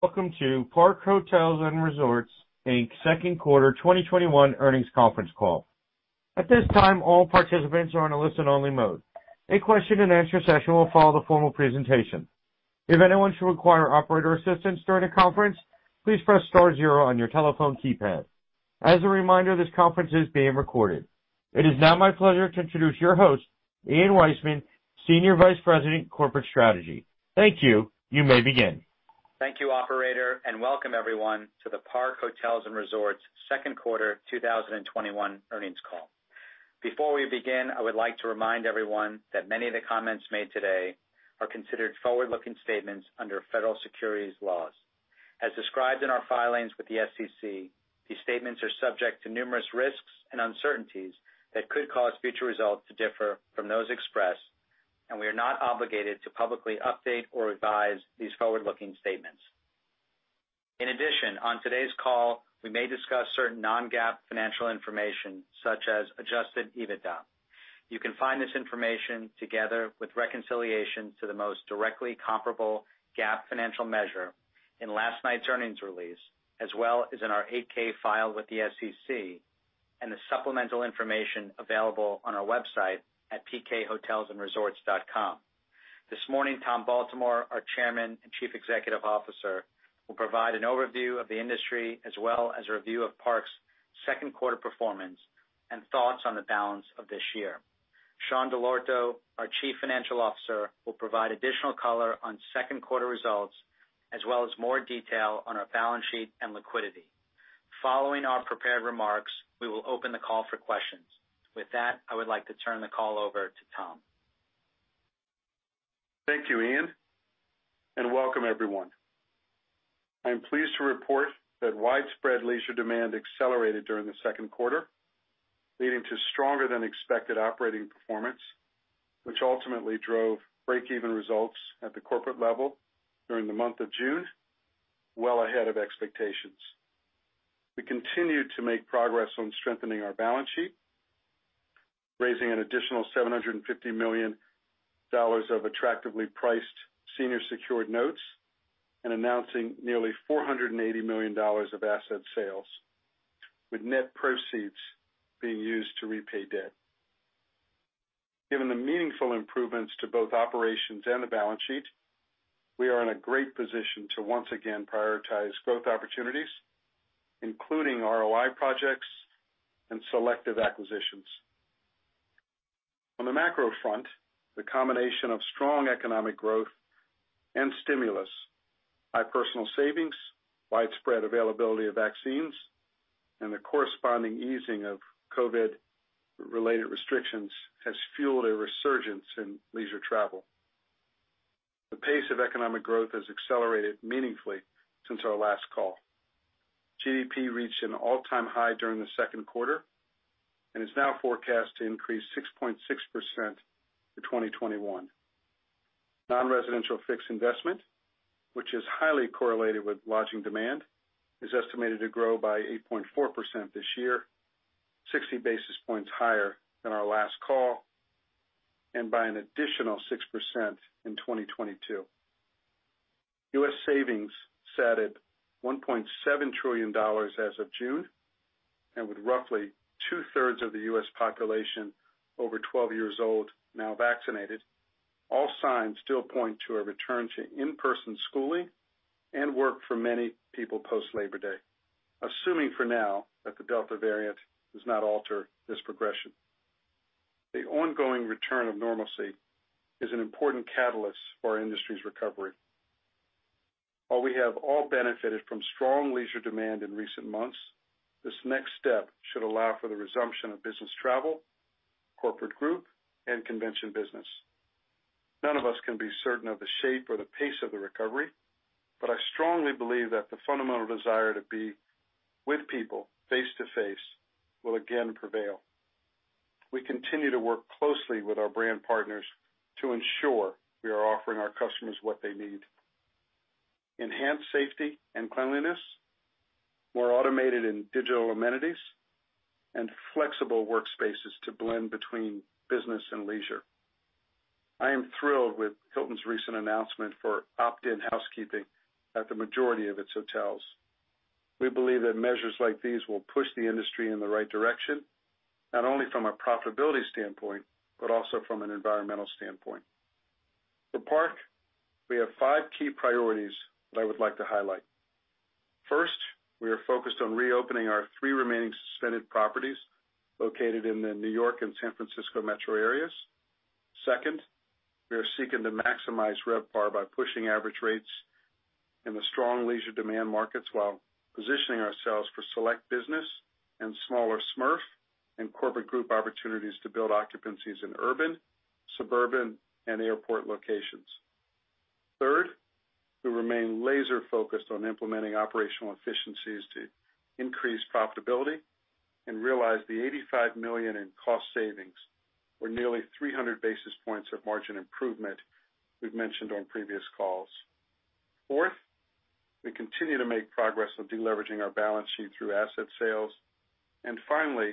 Welcome to Park Hotels & Resorts Inc's second quarter 2021 earnings conference call. At this time, all participants are on a listen-only mode. A question-and-answer session will follow formal presentation. If anyone should require operator assistance during the conference, please press star zero on your telephone keypad. As a reminder, this conference is being recorded. It is now my pleasure to introduce your host, Ian Weissman, Senior Vice President, Corporate Strategy. Thank you. You may begin. Thank you, operator, and welcome everyone to the Park Hotels & Resorts second quarter 2021 earnings call. Before we begin, I would like to remind everyone that many of the comments made today are considered forward-looking statements under federal securities laws. As described in our filings with the SEC, these statements are subject to numerous risks and uncertainties that could cause future results to differ from those expressed, and we are not obligated to publicly update or revise these forward-looking statements. In addition, on today's call, we may discuss certain non-GAAP financial information, such as adjusted EBITDA. You can find this information together with reconciliation to the most directly comparable GAAP financial measure in last night's earnings release, as well as in our 8-K filed with the SEC and the supplemental information available on our website at pkhotelsandresorts.com. This morning, Tom Baltimore, our Chairman and Chief Executive Officer, will provide an overview of the industry as well as a review of Park's second quarter performance and thoughts on the balance of this year. Sean Dell'Orto, our Chief Financial Officer, will provide additional color on second quarter results as well as more detail on our balance sheet and liquidity. Following our prepared remarks, we will open the call for questions. With that, I would like to turn the call over to Tom. Thank you, Ian, and welcome everyone. I am pleased to report that widespread leisure demand accelerated during the second quarter, leading to stronger than expected operating performance, which ultimately drove break-even results at the corporate level during the month of June, well ahead of expectations. We continued to make progress on strengthening our balance sheet, raising an additional $750 million of attractively priced senior secured notes and announcing nearly $480 million of asset sales, with net proceeds being used to repay debt. Given the meaningful improvements to both operations and the balance sheet, we are in a great position to once again prioritize growth opportunities, including ROI projects and selective acquisitions. On the macro front, the combination of strong economic growth and stimulus, high personal savings, widespread availability of vaccines, and the corresponding easing of COVID-related restrictions has fueled a resurgence in leisure travel. The pace of economic growth has accelerated meaningfully since our last call. GDP reached an all-time high during the second quarter and is now forecast to increase 6.6% for 2021. Non-residential fixed investment, which is highly correlated with lodging demand, is estimated to grow by 8.4% this year, 60 basis points higher than our last call, and by an additional 6% in 2022. U.S. savings sat at $1.7 trillion as of June, and with roughly 2/3 of the U.S. population over 12 years old now vaccinated, all signs still point to a return to in-person schooling and work for many people post-Labor Day, assuming for now that the Delta variant does not alter this progression. The ongoing return of normalcy is an important catalyst for our industry's recovery. While we have all benefited from strong leisure demand in recent months, this next step should allow for the resumption of business travel, corporate group, and convention business. None of us can be certain of the shape or the pace of the recovery, but I strongly believe that the fundamental desire to be with people face-to-face will again prevail. We continue to work closely with our brand partners to ensure we are offering our customers what they need. Enhanced safety and cleanliness, more automated and digital amenities, and flexible workspaces to blend between business and leisure. I am thrilled with Hilton's recent announcement for opt-in housekeeping at the majority of its hotels. We believe that measures like these will push the industry in the right direction, not only from a profitability standpoint, but also from an environmental standpoint. For Park, we have five key priorities that I would like to highlight. First, we are focused on reopening our three remaining suspended properties located in the New York and San Francisco metro areas. Second, we are seeking to maximize RevPAR by pushing average rates in the strong leisure demand markets while positioning ourselves for select business and smaller SMERF and corporate group opportunities to build occupancies in urban, suburban, and airport locations. Third, we remain laser-focused on implementing operational efficiencies to increase profitability and realize the $85 million in cost savings were nearly 300 basis points of margin improvement we've mentioned on previous calls. Fourth, we continue to make progress on de-leveraging our balance sheet through asset sales. Finally,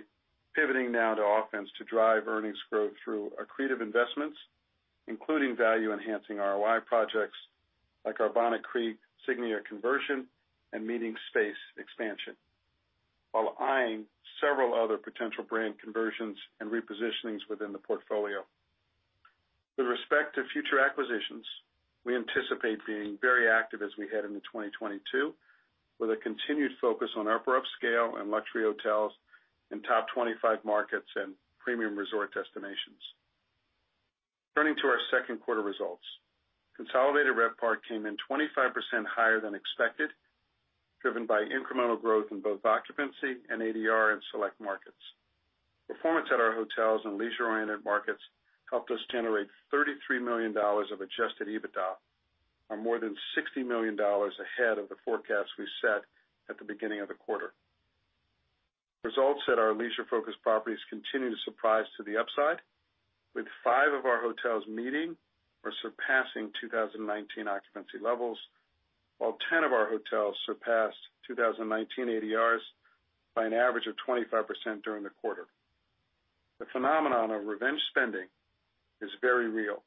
pivoting now to offense to drive earnings growth through accretive investments including value-enhancing ROI projects like our Bonnet Creek Signia conversion and meeting space expansion, while eyeing several other potential brand conversions and repositionings within the portfolio. With respect to future acquisitions, we anticipate being very active as we head into 2022, with a continued focus on upper upscale and luxury hotels in top 25 markets and premium resort destinations. Turning to our second quarter results. Consolidated RevPAR came in 25% higher than expected, driven by incremental growth in both occupancy and ADR in select markets. Performance at our hotels and leisure-oriented markets helped us generate $33 million of adjusted EBITDA, or more than $60 million ahead of the forecast we set at the beginning of the quarter. Results at our leisure-focused properties continue to surprise to the upside, with five of our hotels meeting or surpassing 2019 occupancy levels, while 10 of our hotels surpassed 2019 ADRs by an average of 25% during the quarter. The phenomenon of revenge spending is very real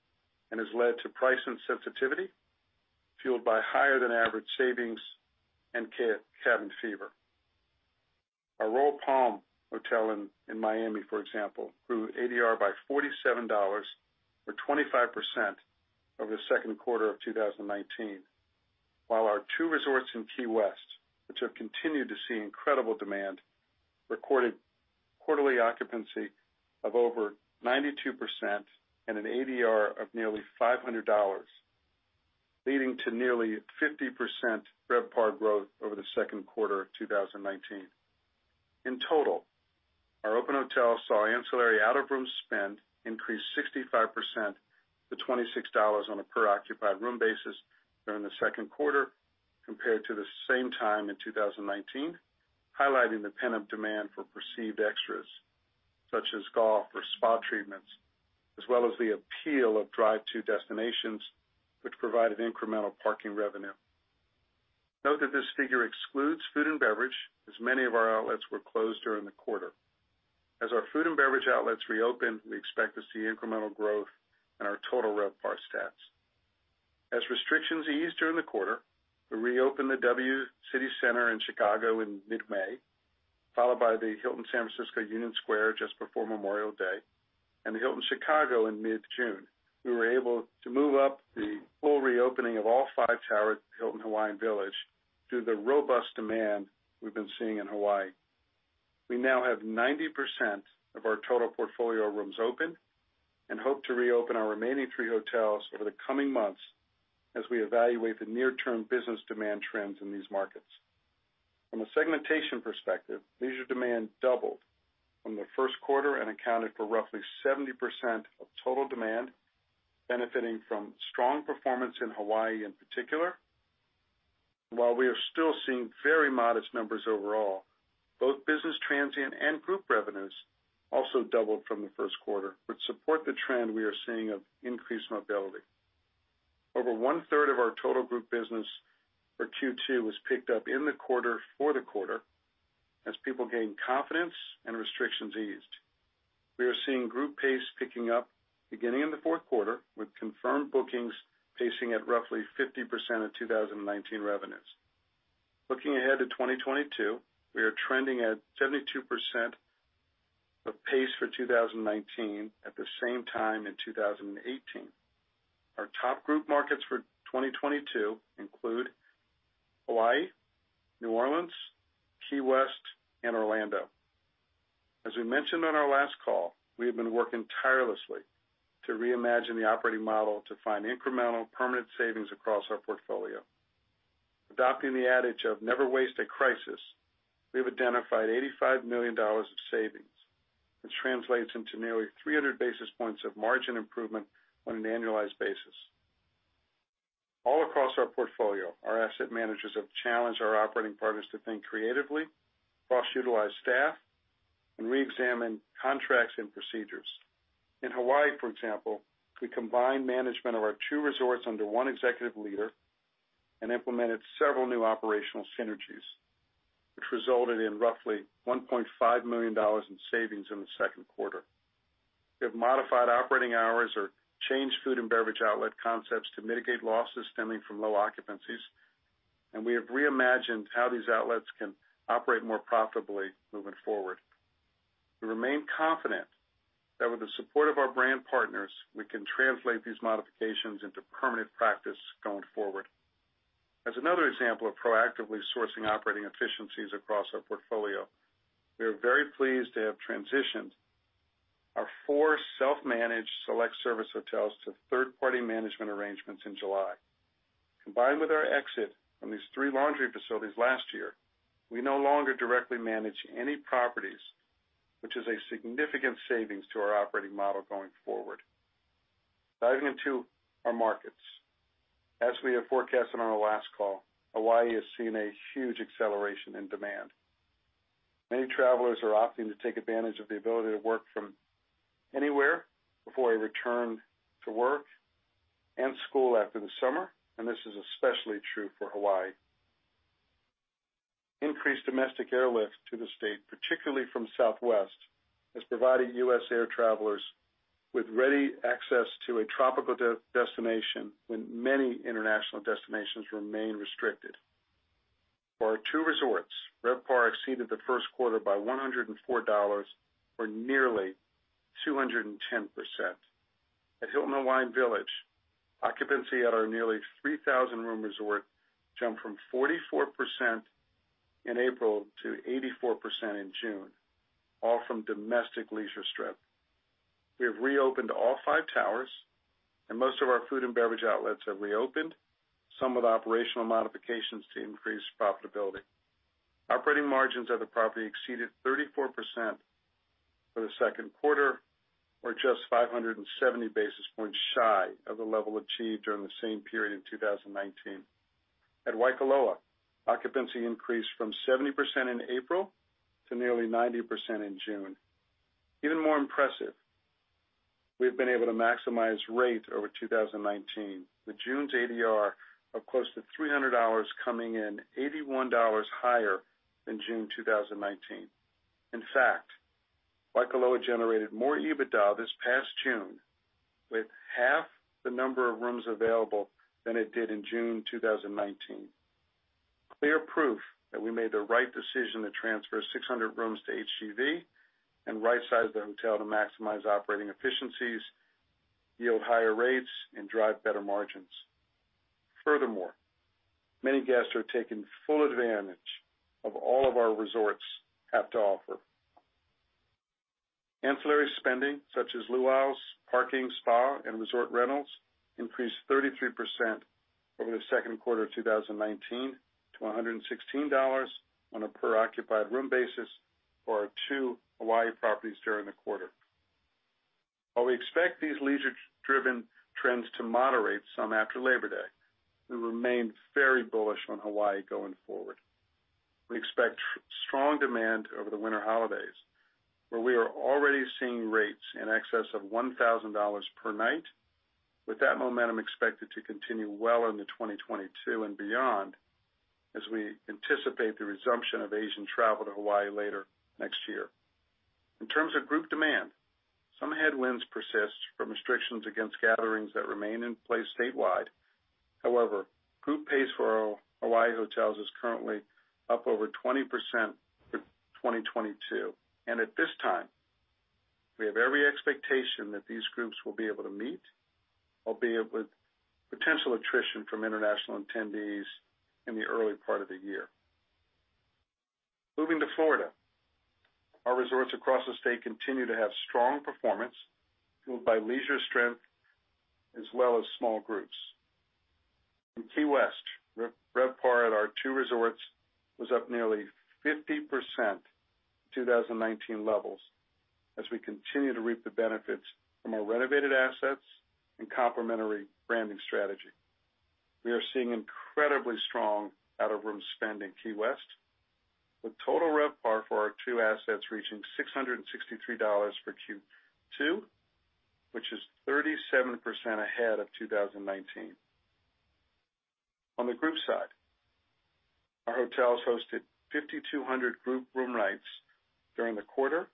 and has led to price insensitivity fueled by higher than average savings and cabin fever. Our Royal Palm Hotel in Miami for example, grew ADR by $47 or 25% over the second quarter of 2019. While our two resorts in Key West, which have continued to see incredible demand, recorded quarterly occupancy of over 92% and an ADR of nearly $500, leading to nearly 50% RevPAR growth over the second quarter of 2019. In total, our open hotels saw ancillary out-of-room spend increase 65% to $26 on a per occupied room basis during the second quarter compared to the same time in 2019, highlighting the pent-up demand for perceived extras such as golf or spa treatments, as well as the appeal of drive-to destinations, which provided incremental parking revenue. Note that this figure excludes food and beverage, as many of our outlets were closed during the quarter. As our food and beverage outlets reopen, we expect to see incremental growth in our total RevPAR stats. As restrictions eased during the quarter, we reopened the W City Center in Chicago in mid-May, followed by the Hilton San Francisco Union Square just before Memorial Day, and the Hilton Chicago in mid-June. We were able to move up the full reopening of all five towers at Hilton Hawaiian Village due to the robust demand we've been seeing in Hawaii. We now have 90% of our total portfolio rooms open and hope to reopen our remaining three hotels over the coming months as we evaluate the near-term business demand trends in these markets. From a segmentation perspective, leisure demand doubled from the first quarter and accounted for roughly 70% of total demand, benefiting from strong performance in Hawaii in particular. While we are still seeing very modest numbers overall, both business transient and group revenues also doubled from the first quarter, which support the trend we are seeing of increased mobility. Over 1/3 of our total group business for Q2 was picked up in the quarter for the quarter as people gained confidence and restrictions eased. We are seeing group pace picking up beginning in the fourth quarter with confirmed bookings pacing at roughly 50% of 2019 revenues. Looking ahead to 2022, we are trending at 72% of pace for 2019 at the same time in 2018. Our top group markets for 2022 include Hawaii, New Orleans, Key West, and Orlando. As we mentioned on our last call, we have been working tirelessly to reimagine the operating model to find incremental permanent savings across our portfolio. Adopting the adage of never waste a crisis, we've identified $85 million of savings, which translates into nearly 300 basis points of margin improvement on an annualized basis. All across our portfolio, our asset managers have challenged our operating partners to think creatively, cross-utilize staff, and reexamine contracts and procedures. In Hawaii, for example, we combined management of our two resorts under one executive leader and implemented several new operational synergies, which resulted in roughly $1.5 million in savings in the second quarter. We have modified operating hours or changed food and beverage outlet concepts to mitigate losses stemming from low occupancies, and we have reimagined how these outlets can operate more profitably moving forward. We remain confident that with the support of our brand partners, we can translate these modifications into permanent practice going forward. As another example of proactively sourcing operating efficiencies across our portfolio, we are very pleased to have transitioned our four self-managed select service hotels to third-party management arrangements in July. Combined with our exit from these three laundry facilities last year, we no longer directly manage any properties, which is a significant savings to our operating model going forward. Diving into our markets. As we have forecasted on our last call, Hawaii has seen a huge acceleration in demand. Many travelers are opting to take advantage of the ability to work from anywhere before a return to work and school after the summer, and this is especially true for Hawaii. Increased domestic airlift to the state, particularly from Southwest, has provided U.S. air travelers with ready access to a tropical destination when many international destinations remain restricted. For our two resorts, RevPAR exceeded the first quarter by $104, or nearly 210%. At Hilton Hawaiian Village, occupancy at our nearly 3,000 room resort jumped from 44% in April to 84% in June, all from domestic leisures trip. We have reopened all five towers, and most of our food and beverage outlets have reopened, some with operational modifications to increase profitability. Operating margins of the property exceeded 34% for the second quarter, or just 570 basis points shy of the level achieved during the same period in 2019. At Waikoloa, occupancy increased from 70% in April to nearly 90% in June. Even more impressive, we've been able to maximize rate over 2019, with June's ADR of close to $300 coming in $81 higher than June 2019. In fact, Waikoloa generated more EBITDA this past June with half the number of rooms available than it did in June 2019. Clear proof that we made the right decision to transfer 600 rooms to HGV and right-size the hotel to maximize operating efficiencies, yield higher rates, and drive better margins. Furthermore, many guests are taking full advantage of all our resorts have to offer. Ancillary spending such as luaus, parking, spa, and resort rentals increased 33% over the second quarter 2019 to $116 on a per occupied room basis for our two Hawaii properties during the quarter. While we expect these leisure driven trends to moderate some after Labor Day, we remain very bullish on Hawaii going forward. We expect strong demand over the winter holidays, where we are already seeing rates in excess of $1,000 per night, with that momentum expected to continue well into 2022 and beyond as we anticipate the resumption of Asian travel to Hawaii later next year. In terms of group demand, some headwinds persist from restrictions against gatherings that remain in place statewide. However, group pace for our Hawaii hotels is currently up over 20% for 2022. At this time, we have every expectation that these groups will be able to meet, albeit with potential attrition from international attendees in the early part of the year. Moving to Florida. Our resorts across the state continue to have strong performance fueled by leisure strength as well as small groups. In Key West, RevPAR at our two resorts was up nearly 50% 2019 levels as we continue to reap the benefits from our renovated assets and complementary branding strategy. We are seeing incredibly strong out of room spend in Key West, with total RevPAR for our two assets reaching $663 for Q2, which is 37% ahead of 2019. On the group side, our hotels hosted 5,200 group room nights during the quarter,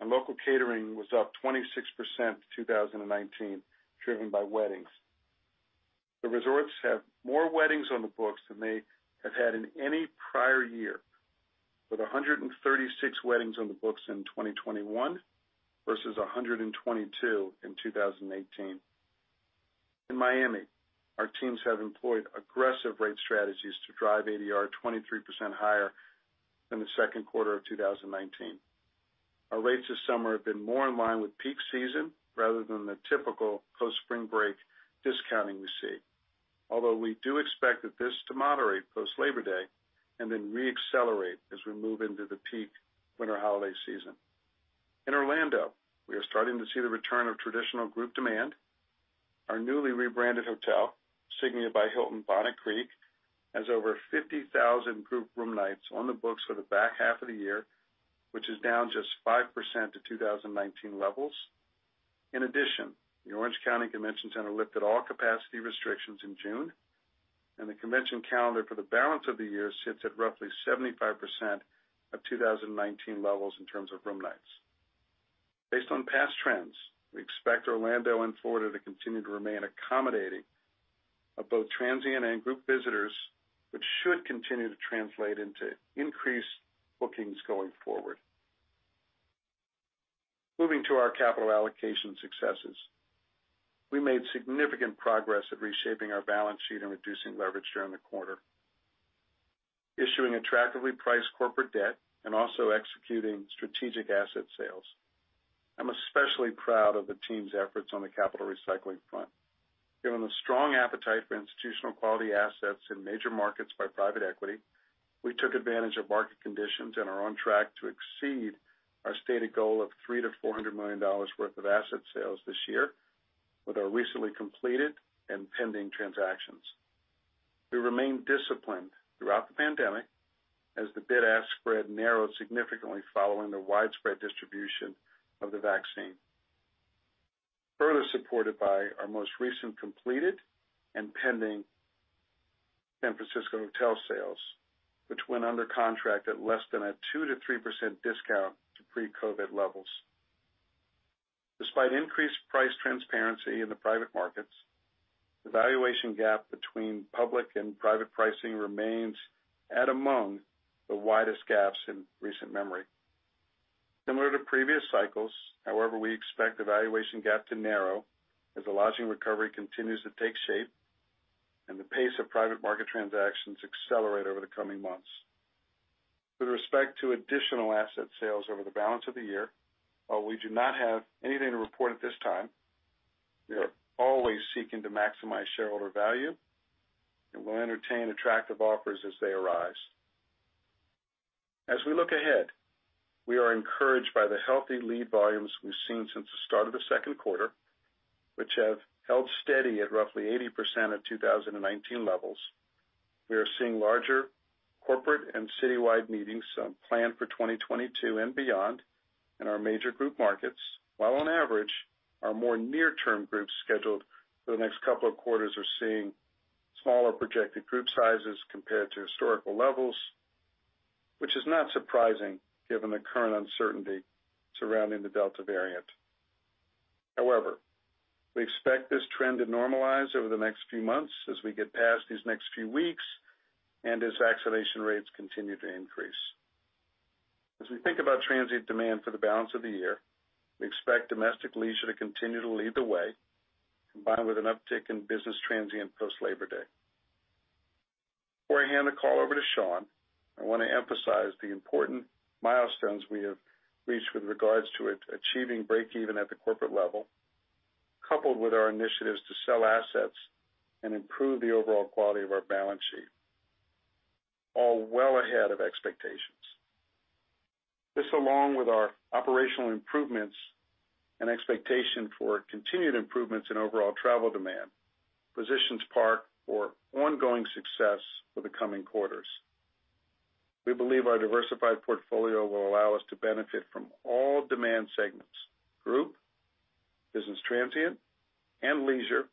and local catering was up 26% to 2019, driven by weddings. The resorts have more weddings on the books than they have had in any prior year, with 136 weddings on the books in 2021 versus 122 in 2018. In Miami, our teams have employed aggressive rate strategies to drive ADR 23% higher than the second quarter of 2019. Our rates this summer have been more in line with peak season rather than the typical post-Labor Day discounting we see. Although we do expect this to moderate post-Labor Day and then re-accelerate as we move into the peak winter holiday season. In Orlando, we are starting to see the return of traditional group demand. Our newly rebranded hotel, Signia by Hilton Bonnet Creek, has over 50,000 group room nights on the books for the back half of the year, which is down just 5% to 2019 levels. In addition, the Orange County Convention Center lifted all capacity restrictions in June, and the convention calendar for the balance of the year sits at roughly 75% of 2019 levels in terms of room nights. Based on past trends, we expect Orlando and Florida to continue to remain accommodating of both transient and group visitors, which should continue to translate into increased bookings going forward. Moving to our capital allocation successes. We made significant progress at reshaping our balance sheet and reducing leverage during the quarter, issuing attractively priced corporate debt and also executing strategic asset sales. I'm especially proud of the team's efforts on the capital recycling front. Given the strong appetite for institutional quality assets in major markets by private equity, we took advantage of market conditions and are on track to exceed our stated goal of $300 million-$400 million worth of asset sales this year with our recently completed and pending transactions. We remain disciplined throughout the pandemic as the bid-ask spread narrowed significantly following the widespread distribution of the vaccine. Further supported by our most recent completed and pending San Francisco hotel sales, which went under contract at less than a 2%-3% discount to pre-COVID levels. Despite increased price transparency in the private markets, the valuation gap between public and private pricing remains at among the widest gaps in recent memory. Similar to previous cycles, however, we expect the valuation gap to narrow as the lodging recovery continues to take shape and the pace of private market transactions accelerate over the coming months. With respect to additional asset sales over the balance of the year, while we do not have anything to report at this time, we are always seeking to maximize shareholder value, and we'll entertain attractive offers as they arise. As we look ahead, we are encouraged by the healthy lead volumes we've seen since the start of the second quarter, which have held steady at roughly 80% of 2019 levels. We are seeing larger corporate and citywide meetings planned for 2022 and beyond in our major group markets. While on average, our more near-term groups scheduled for the next couple of quarters are seeing smaller projected group sizes compared to historical levels, which is not surprising given the current uncertainty surrounding the Delta variant. However, we expect this trend to normalize over the next few months as we get past these next few weeks and as vaccination rates continue to increase. As we think about transient demand for the balance of the year, we expect domestic leisure to continue to lead the way, combined with an uptick in business transient post-Labor Day. Before I hand the call over to Sean, I want to emphasize the important milestones we have reached with regards to achieving breakeven at the corporate level, coupled with our initiatives to sell assets and improve the overall quality of our balance sheet, all well ahead of expectations. This, along with our operational improvements and expectation for continued improvements in overall travel demand, positions Park for ongoing success for the coming quarters. We believe our diversified portfolio will allow us to benefit from all demand segments, group, business transient, and leisure,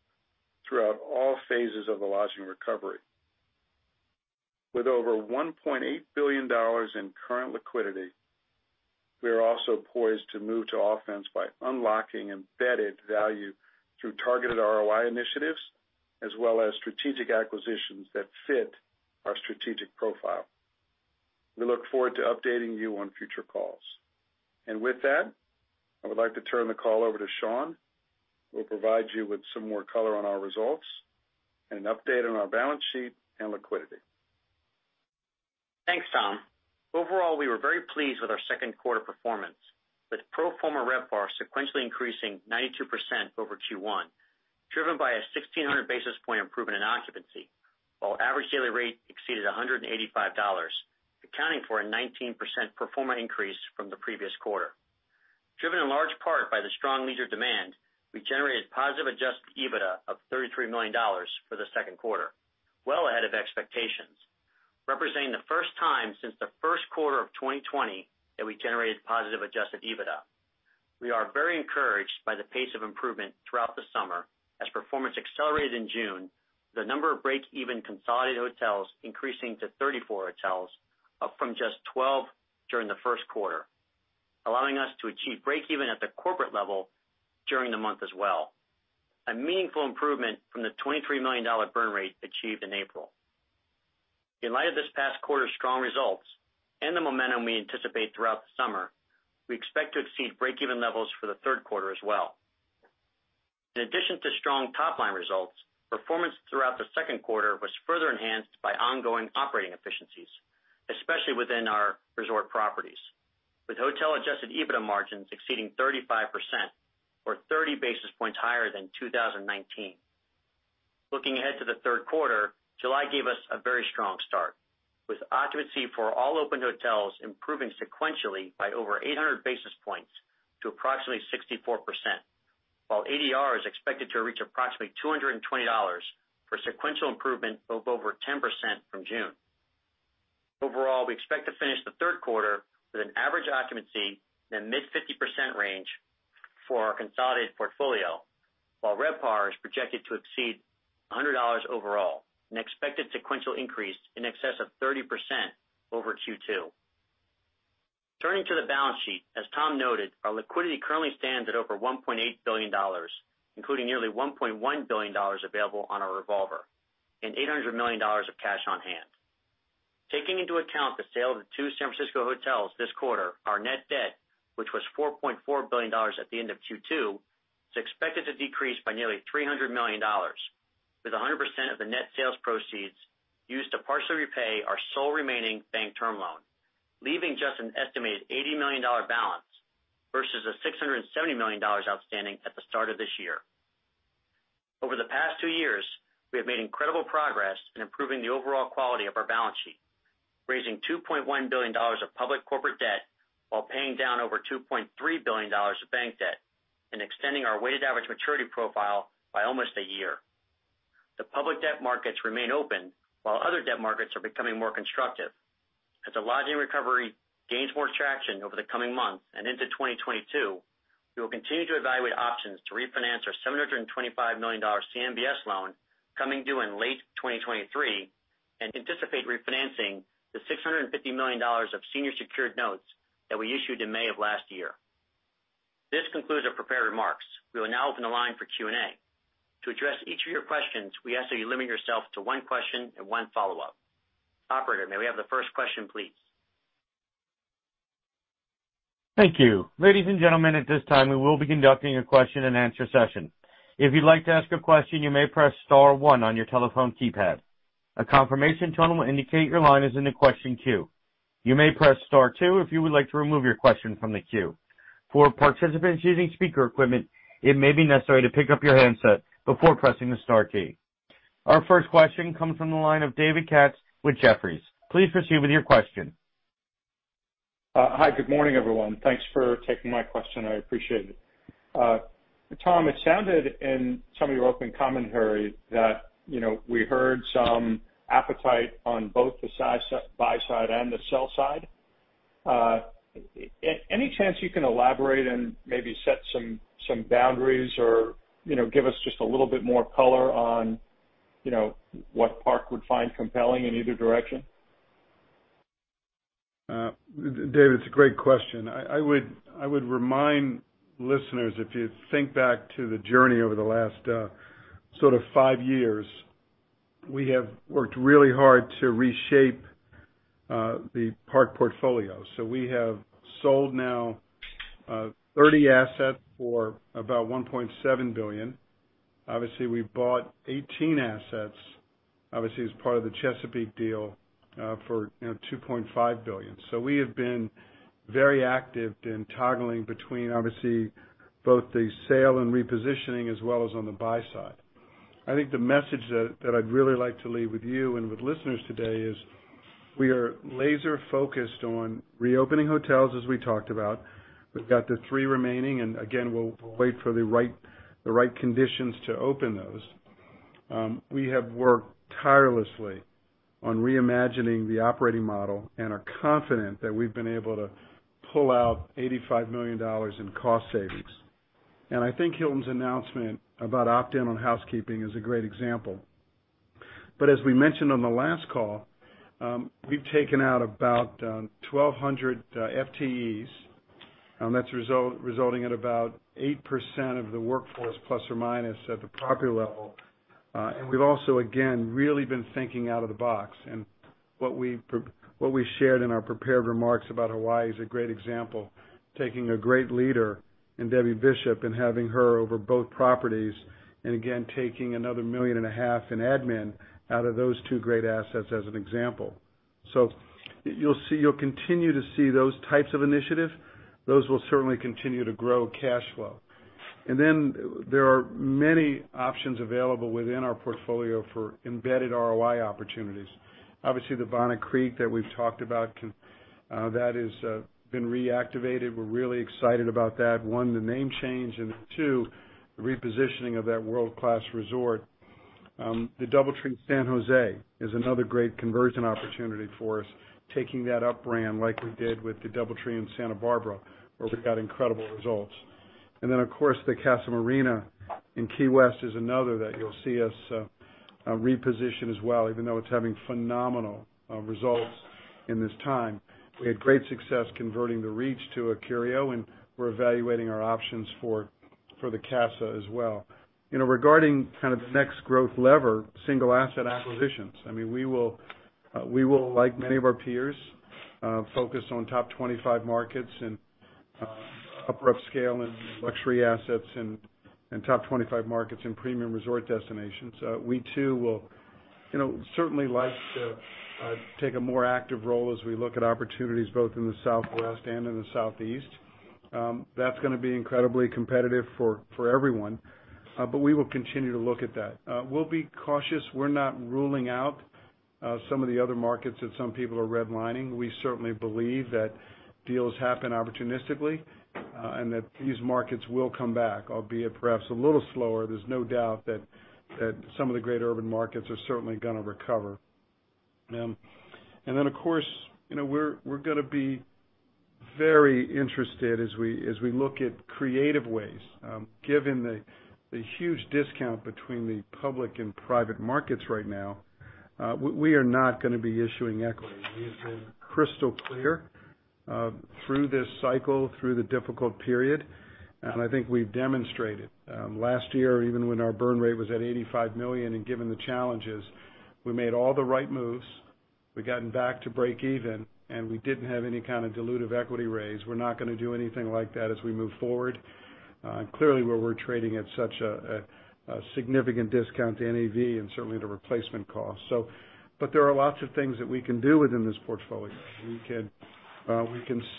throughout all phases of the lodging recovery. With over $1.8 billion in current liquidity, we are also poised to move to offense by unlocking embedded value through targeted ROI initiatives, as well as strategic acquisitions that fit our strategic profile. We look forward to updating you on future calls. With that, I would like to turn the call over to Sean, who will provide you with some more color on our results and an update on our balance sheet and liquidity. Thanks, Tom. Overall, we were very pleased with our second quarter performance, with pro forma RevPAR sequentially increasing 92% over Q1, driven by a 1,600 basis point improvement in occupancy, while average daily rate exceeded $185, accounting for a 19% pro forma increase from the previous quarter. Driven in large part by the strong leisure demand, we generated positive adjusted EBITDA of $33 million for the second quarter, well ahead of expectations, representing the first time since the first quarter of 2020 that we generated positive adjusted EBITDA. We are very encouraged by the pace of improvement throughout the summer as performance accelerated in June, the number of breakeven consolidated hotels increasing to 34 hotels, up from just 12 during the first quarter, allowing us to achieve breakeven at the corporate level during the month as well, a meaningful improvement from the $23 million burn rate achieved in April. In light of this past quarter's strong results and the momentum we anticipate throughout the summer, we expect to exceed breakeven levels for the third quarter as well. In addition to strong top-line results, performance throughout the second quarter was further enhanced by ongoing operating efficiencies, especially within our resort properties, with hotel adjusted EBITDA margins exceeding 35%, or 30 basis points higher than 2019. Looking ahead to the third quarter, July gave us a very strong start, with occupancy for all open hotels improving sequentially by over 800 basis points to approximately 64%, while ADR is expected to reach approximately $220 for a sequential improvement of over 10% from June. Overall, we expect to finish the third quarter with an average occupancy in the mid 50% range for our consolidated portfolio, while RevPAR is projected to exceed $100 overall, an expected sequential increase in excess of 30% over Q2. Turning to the balance sheet, as Tom noted, our liquidity currently stands at $1.8 billion, including $1.1 billion available on our revolver and $800 million of cash on-hand. Taking into account the sale of the two San Francisco hotels this quarter, our net debt, which was $4.4 billion at the end of Q2, is expected to decrease by $300 million, with 100% of the net sales proceeds used to partially repay our sole remaining bank term loan, leaving just an estimated $80 million balance versus the $670 million outstanding at the start of this year. Over the past two years, we have made incredible progress in improving the overall quality of our balance sheet, raising $2.1 billion of public corporate debt while paying down over $2.3 billion of bank debt and extending our weighted average maturity profile by almost a year. The public debt markets remain open while other debt markets are becoming more constructive. As the lodging recovery gains more traction over the coming months and into 2022, we will continue to evaluate options to refinance our $725 million CMBS loan coming due in late 2023 and anticipate refinancing the $650 million of senior secured notes that we issued in May of last year. This concludes our prepared remarks. We will now open the line for Q&A. To address each of your questions, we ask that you limit yourself to one question and one follow-up. Operator, may we have the first question, please? Thank you. Ladies and Gentlemen, at this time we will begin conducting your question-and -answer session. If you'd like to ask a question, you may press star one on your telephone keypad. A confirmation tone will indicate your line is in the question queue. You may press star two if you would like to remove your question from the queue. For participants using speaker equipment, it may be necessary to pick up your handset before pressing the star key. Our first question comes from the line of David Katz with Jefferies. Please proceed with your question. Hi. Good morning, everyone. Thanks for taking my question. I appreciate it. Tom, it sounded in some of your opening commentary that we heard some appetite on both the buy side and the sell side. Any chance you can elaborate and maybe set some boundaries or give us just a little bit more color on what Park would find compelling in either direction? David, it's a great question. I would remind listeners, if you think back to the journey over the last five years, we have worked really hard to reshape the Park portfolio. We have sold now 30 assets for about $1.7 billion. Obviously, we bought 18 assets, obviously, as part of the Chesapeake deal, for $2.5 billion. We have been very active in toggling between, obviously, both the sale and repositioning, as well as on the buy side. I think the message that I'd really like to leave with you and with listeners today is we are laser focused on reopening hotels, as we talked about. We've got the three remaining, and again, we'll wait for the right conditions to open those. We have worked tirelessly on reimagining the operating model and are confident that we've been able to pull out $85 million in cost savings. I think Hilton's announcement about opt-in on housekeeping is a great example. As we mentioned on the last call, we've taken out about 1,200 FTEs, and that's resulting in about 8% of the workforce, ±, at the property level. We've also, again, really been thinking out of the box, and what we shared in our prepared remarks about Hawaii is a great example. Taking a great leader in Debi Bishop and having her over both properties, and again, taking another $1.5 million in admin out of those two great assets as an example. You'll continue to see those types of initiatives. Those will certainly continue to grow cash flow. There are many options available within our portfolio for embedded ROI opportunities. Obviously, the Bonnet Creek that we've talked about, that has been reactivated. We're really excited about that. One, the name change, and two, the repositioning of that world-class resort. The DoubleTree in San Jose is another great conversion opportunity for us, taking that up brand like we did with the DoubleTree in Santa Barbara, where we got incredible results. Then, of course, the Casa Marina in Key West is another that you'll see us reposition as well, even though it's having phenomenal results in this time. We had great success converting the Reach to a Curio, and we're evaluating our options for the Casa as well. Regarding the next growth lever, single asset acquisitions. We will, like many of our peers, focus on top 25 markets and upper upscale and luxury assets in top 25 markets and premium resort destinations. We too would certainly like to take a more active role as we look at opportunities both in the Southwest and in the Southeast. That's going to be incredibly competitive for everyone. We will continue to look at that. We'll be cautious. We're not ruling out some of the other markets that some people are redlining. We certainly believe that deals happen opportunistically and that these markets will come back, albeit perhaps a little slower. There's no doubt that some of the greater urban markets are certainly going to recover. Then, of course, we're going to be very interested as we look at creative ways. Given the huge discount between the public and private markets right now, we are not going to be issuing equity. We've been crystal clear through this cycle, through the difficult period, and I think we've demonstrated. Last year, even when our burn rate was at $85 million, and given the challenges, we made all the right moves. We've gotten back to break even, and we didn't have any kind of dilutive equity raise. We're not going to do anything like that as we move forward. Clearly, we're trading at such a significant discount to NAV and certainly the replacement cost. There are lots of things that we can do within this portfolio. We can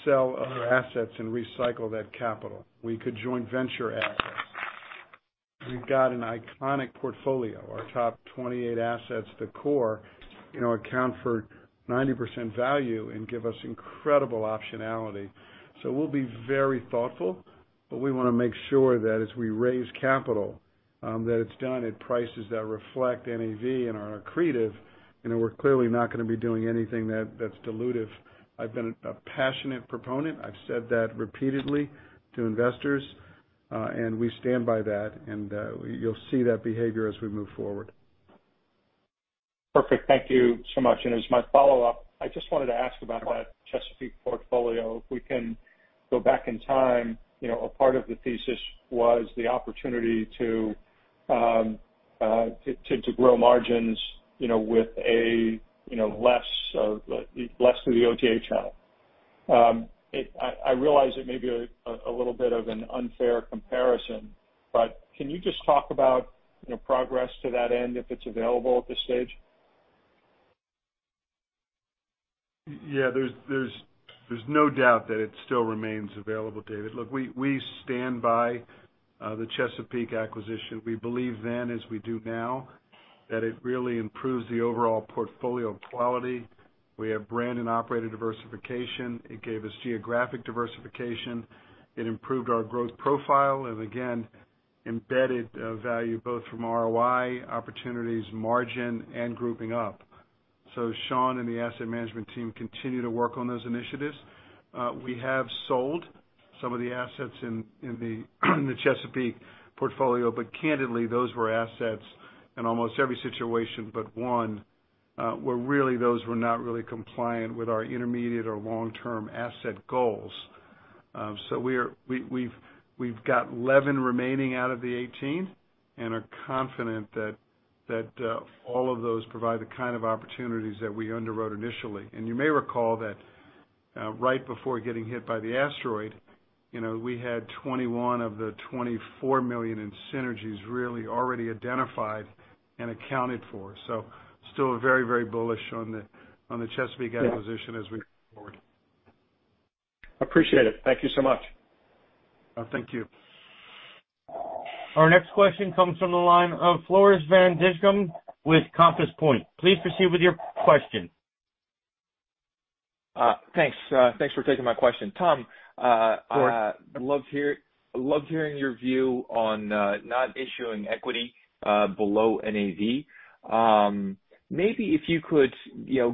sell other assets and recycle that capital. We could joint venture assets. We've got an iconic portfolio. Our top 28 assets, the core, account for 90% value and give us incredible optionality. We'll be very thoughtful, but we want to make sure that as we raise capital, that it's done at prices that reflect NAV and are accretive. We're clearly not going to be doing anything that's dilutive. I've been a passionate proponent. I've said that repeatedly to investors, and we stand by that, and you'll see that behavior as we move forward. Perfect. Thank you so much. As my follow-up, I just wanted to ask about that Chesapeake portfolio. If we can go back in time, a part of the thesis was the opportunity to grow margins with less through the OTA channel. I realize it may be a little bit of an unfair comparison, but can you just talk about progress to that end, if it's available at this stage? Yeah. There's no doubt that it still remains available, David. Look, we stand by the Chesapeake acquisition. We believed then as we do now that it really improves the overall portfolio quality. We have brand and operator diversification. It gave us geographic diversification. It improved our growth profile, and again, embedded value both from ROI opportunities, margin, and grouping up. Sean and the asset management team continue to work on those initiatives. We have sold some of the assets in the Chesapeake portfolio, but candidly, those were assets in almost every situation but one, where really those were not really compliant with our intermediate or long-term asset goals. We've got 11 remaining out of the 18 and are confident that all of those provide the kind of opportunities that we underwrote initially. You may recall that right before getting hit by the asteroid, we had $21 million of the $24 million in synergies really already identified and accounted for. Still very bullish on the Chesapeake acquisition as we move forward. Appreciate it. Thank you so much. Thank you. Our next question comes from the line of Floris van Dijkum with Compass Point. Please proceed with your question. Thanks for taking my question. Tom,- Of course. ...loved hearing your view on not issuing equity below NAV. Maybe if you could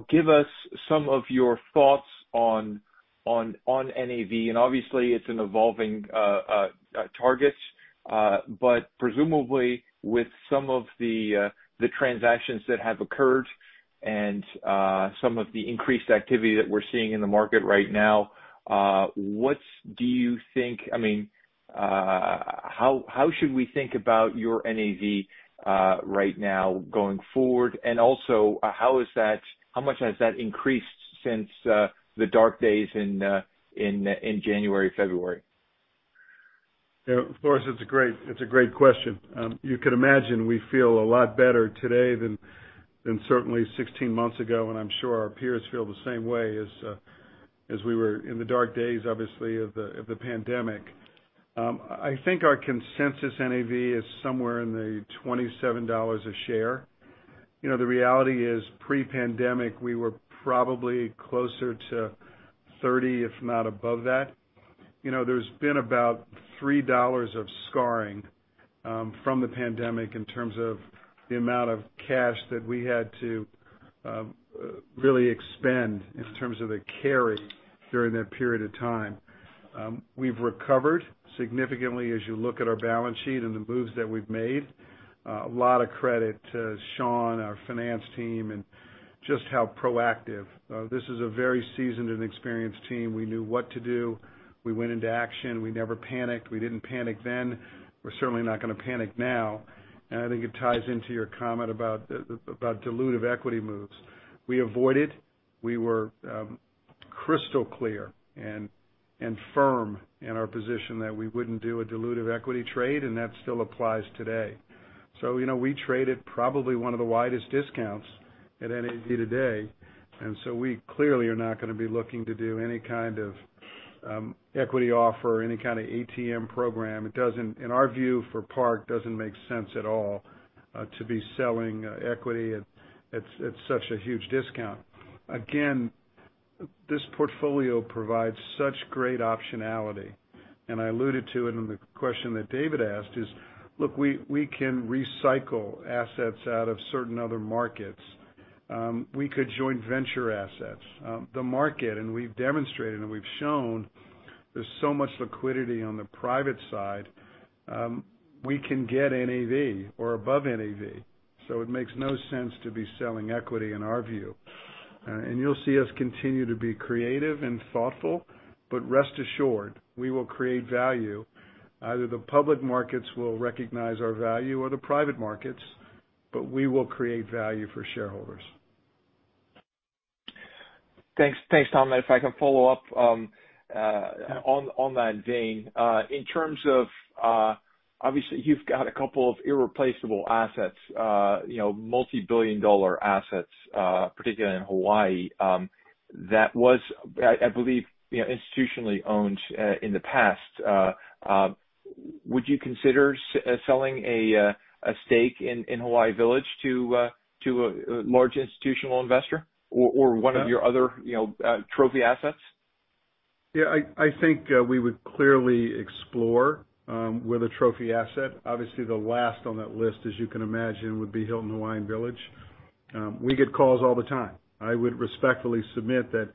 give us some of your thoughts on NAV, and obviously it's an evolving target. Presumably, with some of the transactions that have occurred and some of the increased activity that we're seeing in the market right now, how should we think about your NAV right now going forward? How much has that increased since the dark days in January, February? Floris, it's a great question. You can imagine we feel a lot better today than certainly 16 months ago, and I'm sure our peers feel the same way as we were in the dark days, obviously of the pandemic. I think our consensus NAV is somewhere in the $27 a share. The reality is pre-pandemic, we were probably closer to $30, if not above that. There's been about $3 of scarring from the pandemic in terms of the amount of cash that we had to really expend in terms of the carry during that period of time. We've recovered significantly as you look at our balance sheet and the moves that we've made. A lot of credit to Sean, our finance team, and just how proactive. This is a very seasoned and experienced team. We knew what to do. We went into action. We never panicked. We didn't panic then. We're certainly not going to panic now. I think it ties into your comment about dilutive equity moves. We avoided. We were crystal clear and firm in our position that we wouldn't do a dilutive equity trade, and that still applies today. We traded probably one of the widest discounts at NAV today, we clearly are not going to be looking to do any kind of equity offer or any kind of ATM program. In our view, for Park, it doesn't make sense at all to be selling equity at such a huge discount. This portfolio provides such great optionality, and I alluded to it in the question that David asked is, look, we can recycle assets out of certain other markets. We could joint venture assets. The market, and we've demonstrated and we've shown there's so much liquidity on the private side. We can get NAV or above NAV. It makes no sense to be selling equity in our view. You'll see us continue to be creative and thoughtful, but rest assured, we will create value. Either the public markets will recognize our value or the private markets, but we will create value for shareholders. Thanks, Tom. If I can follow up on that vein. In terms of, obviously, you've got a couple of irreplaceable assets, multi-billion dollar assets, particularly in Hawaii, that was, I believe, institutionally owned in the past. Would you consider selling a stake in Hawaii Village to a large institutional investor or one of your other trophy assets? I think we would clearly explore with a trophy asset. Obviously, the last on that list, as you can imagine, would be Hilton Hawaiian Village. We get calls all the time. I would respectfully submit that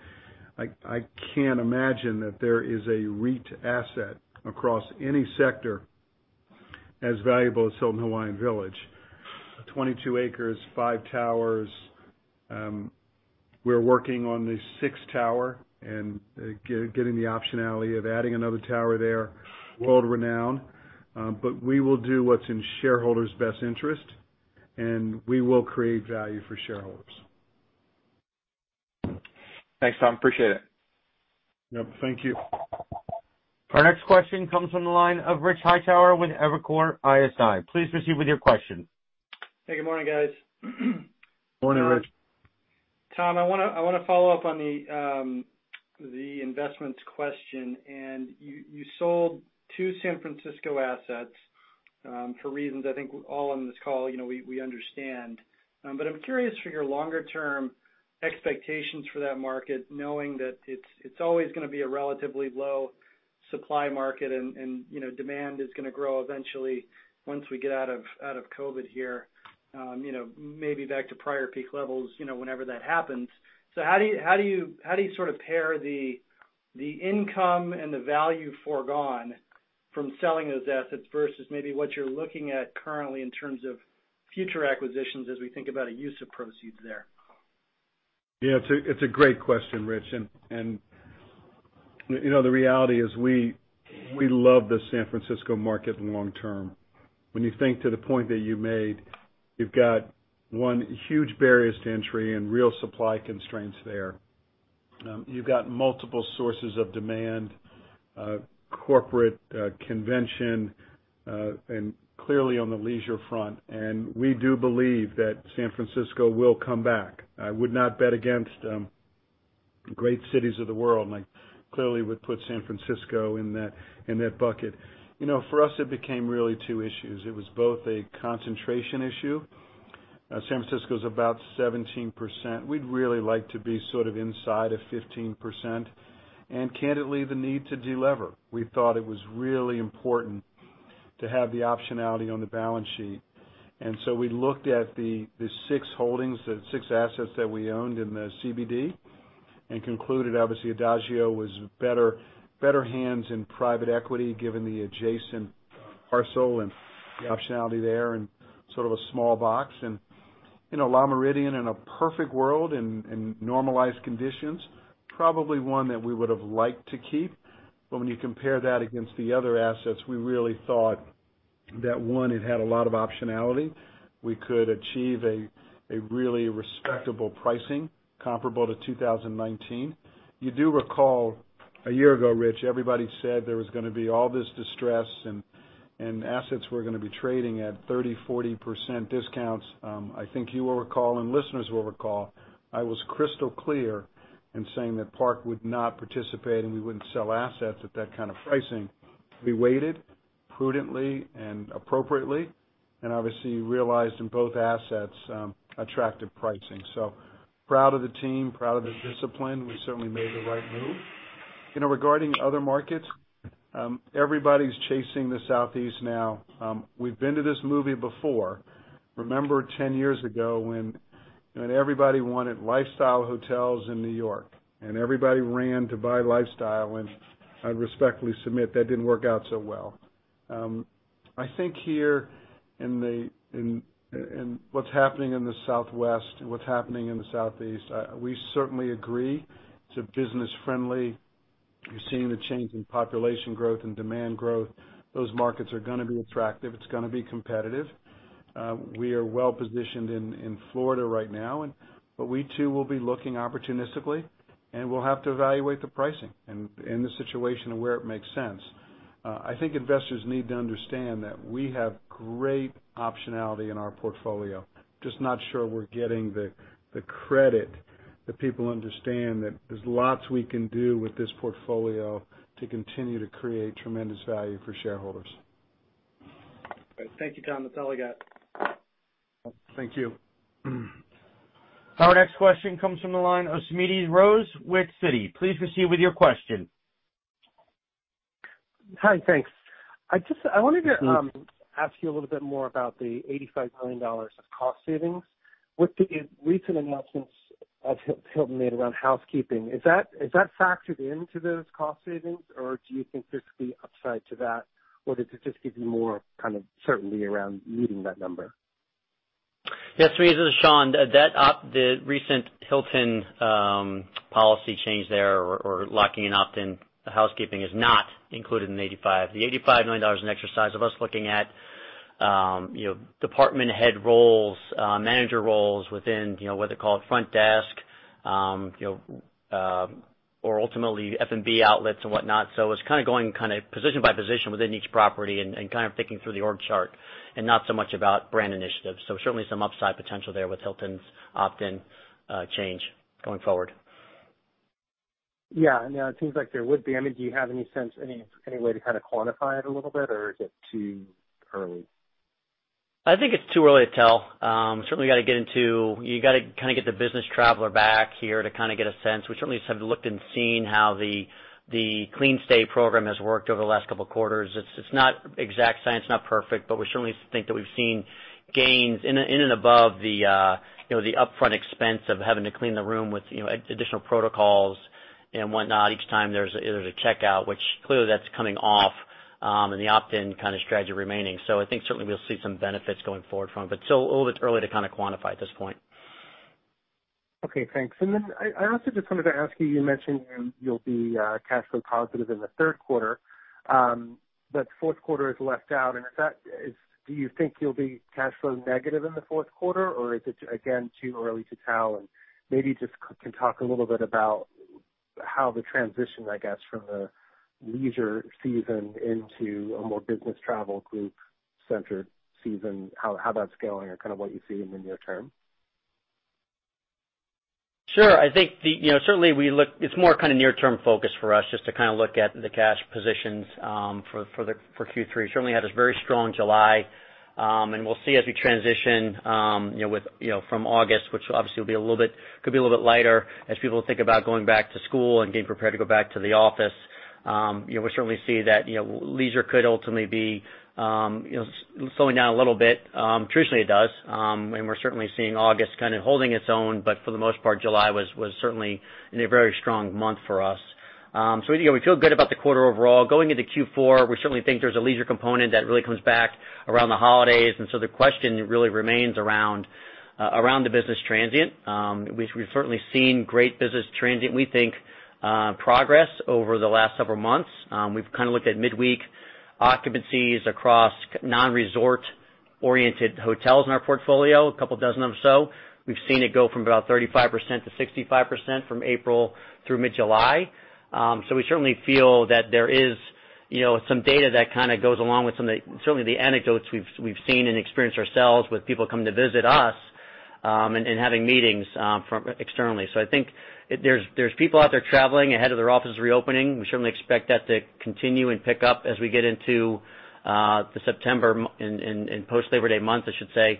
I can't imagine that there is a REIT asset across any sector as valuable as Hilton Hawaiian Village. 22 acres, five towers. We're working on the sixth tower and getting the optionality of adding another tower there, world-renowned. We will do what's in shareholders' best interest, and we will create value for shareholders. Thanks, Tom. Appreciate it. Yep. Thank you. Our next question comes from the line of Rich Hightower with Evercore ISI. Please proceed with your question. Hey, good morning, guys. Morning, Rich. Tom, I want to follow up on the investments question. You sold two San Francisco assets for reasons I think all on this call, we understand. I'm curious for your longer-term expectations for that market, knowing that it's always going to be a relatively low supply market and demand is going to grow eventually once we get out of COVID here, maybe back to prior peak levels, whenever that happens. How do you sort of pair the income and the value foregone from selling those assets versus maybe what you're looking at currently in terms of future acquisitions as we think about a use of proceeds there? Yeah, it's a great question, Rich. The reality is we love the San Francisco market long term. When you think to the point that you made, you've got, one, huge barriers to entry and real supply constraints there. You've got multiple sources of demand, corporate convention, and clearly on the leisure front. We do believe that San Francisco will come back. I would not bet against great cities of the world, and I clearly would put San Francisco in that bucket. For us, it became really two issues. It was both a concentration issue. San Francisco is about 17%. We'd really like to be sort of inside of 15%, and candidly, the need to de-lever. We thought it was really important to have the optionality on the balance sheet. We looked at the six holdings, the six assets that we owned in the CBD, and concluded, obviously, Adagio was better hands in private equity given the adjacent parcel and the optionality there and sort of a small box. Le Méridien, in a perfect world, in normalized conditions, probably one that we would've liked to keep. When you compare that against the other assets, we really thought that, one, it had a lot of optionality. We could achieve a really respectable pricing comparable to 2019. You do recall a year ago, Rich, everybody said there was going to be all this distress and assets were going to be trading at 30%-40% discounts. I think you will recall, and listeners will recall, I was crystal clear in saying that Park would not participate and we wouldn't sell assets at that kind of pricing. We waited prudently and appropriately and obviously realized in both assets attractive pricing. Proud of the team, proud of the discipline. We certainly made the right move. Regarding other markets, everybody's chasing the Southeast now. We've been to this movie before. Remember 10 years ago when everybody wanted lifestyle hotels in New York and everybody ran to buy lifestyle, I respectfully submit that didn't work out so well. I think here in what's happening in the Southwest and what's happening in the Southeast, we certainly agree it's business friendly. You're seeing the change in population growth and demand growth. Those markets are going to be attractive. It's going to be competitive. We are well positioned in Florida right now. We too will be looking opportunistically, and we'll have to evaluate the pricing and the situation and where it makes sense. I think investors need to understand that we have great optionality in our portfolio. Just not sure we're getting the credit that people understand that there's lots we can do with this portfolio to continue to create tremendous value for shareholders. Great. Thank you, Tom. That's all I got. Thank you. Our next question comes from the line of Smedes Rose with Citi. Please proceed with your question. Hi, thanks. I wanted to ask you a little bit more about the $85 million of cost savings. With the recent announcements Hilton made around housekeeping, is that factored into those cost savings, or do you think there could be upside to that, or does it just give you more kind of certainty around meeting that number? Smedes, this is Sean. The recent Hilton policy change there, or locking in opt-in housekeeping is not included in the 85. The $85 million is an exercise of us looking at department head roles, manager roles within, what they call it, front desk, or ultimately F&B outlets and whatnot. It's going position by position within each property and kind of thinking through the org chart and not so much about brand initiatives. Certainly some upside potential there with Hilton's opt-in change going forward. Yeah. No, it seems like there would be. I mean, do you have any sense, any way to kind of quantify it a little bit, or is it too early? I think it's too early to tell. Certainly, you got to kind of get the business traveler back here to kind of get a sense. We certainly have looked and seen how the CleanStay program has worked over the last couple of quarters. It's not an exact science, not perfect, but we certainly think that we've seen gains in and above the upfront expense of having to clean the room with additional protocols and whatnot each time there's a checkout, which clearly that's coming off, and the opt-in kind of strategy remaining. I think certainly we'll see some benefits going forward from it. Still, a little bit early to kind of quantify at this point. Okay, thanks. I also just wanted to ask you mentioned you'll be cash flow positive in the third quarter, but fourth quarter is left out. Do you think you'll be cash flow negative in the fourth quarter, or is it, again, too early to tell? Maybe just can talk a little bit about how the transition, I guess, from the leisure season into a more business travel group-centered season, how that's going or kind of what you see in the near term. I think, certainly, it's more kind of near term focused for us just to kind of look at the cash positions for Q3. We certainly had this very strong July, and we'll see as we transition from August, which obviously could be a little bit lighter as people think about going back to school and getting prepared to go back to the office. We certainly see that leisure could ultimately be slowing down a little bit. Traditionally, it does. We're certainly seeing August kind of holding its own, but for the most part, July was certainly a very strong month for us. We feel good about the quarter overall. Going into Q4, we certainly think there's a leisure component that really comes back around the holidays. The question really remains around the business transient. We've certainly seen great business transient, we think, progress over the last several months. We've kind of looked at midweek occupancies across non-resort-oriented hotels in our portfolio, a couple of dozen or so. We've seen it go from about 35% to 65% from April through mid-July. We certainly feel that there is some data that kind of goes along with some of the, certainly the anecdotes we've seen and experienced ourselves with people coming to visit us, and having meetings externally. I think there's people out there traveling ahead of their offices reopening. We certainly expect that to continue and pick up as we get into the September and post-Labor Day month, I should say.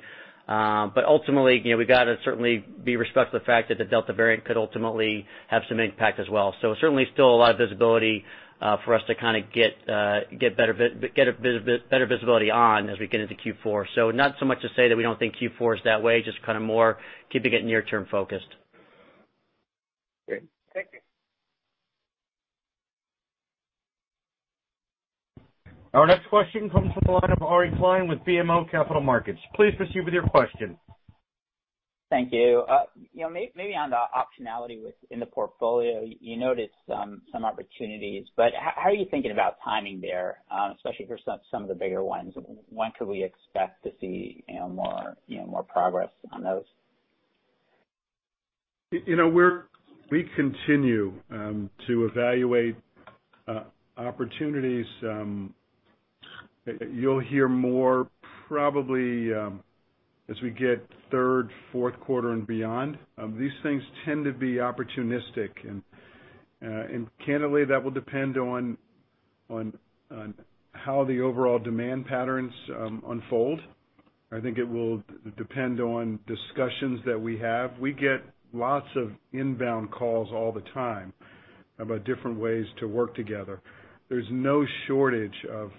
Ultimately, we've got to certainly be respectful of the fact that the Delta variant could ultimately have some impact as well. Certainly still a lot of visibility for us to kind of get better visibility on as we get into Q4. Not so much to say that we don't think Q4 is that way, just kind of more keeping it near-term focused. Great. Thank you. Our next question comes from the line of Ari Klein with BMO Capital Markets. Please proceed with your question. Thank you. Maybe on the optionality within the portfolio, you noticed some opportunities, how are you thinking about timing there, especially for some of the bigger ones? When could we expect to see more progress on those? We continue to evaluate opportunities. You'll hear more probably as we get third, fourth quarter and beyond. These things tend to be opportunistic. Candidly, that will depend on how the overall demand patterns unfold. I think it will depend on discussions that we have. We get lots of inbound calls all the time about different ways to work together. There's no shortage of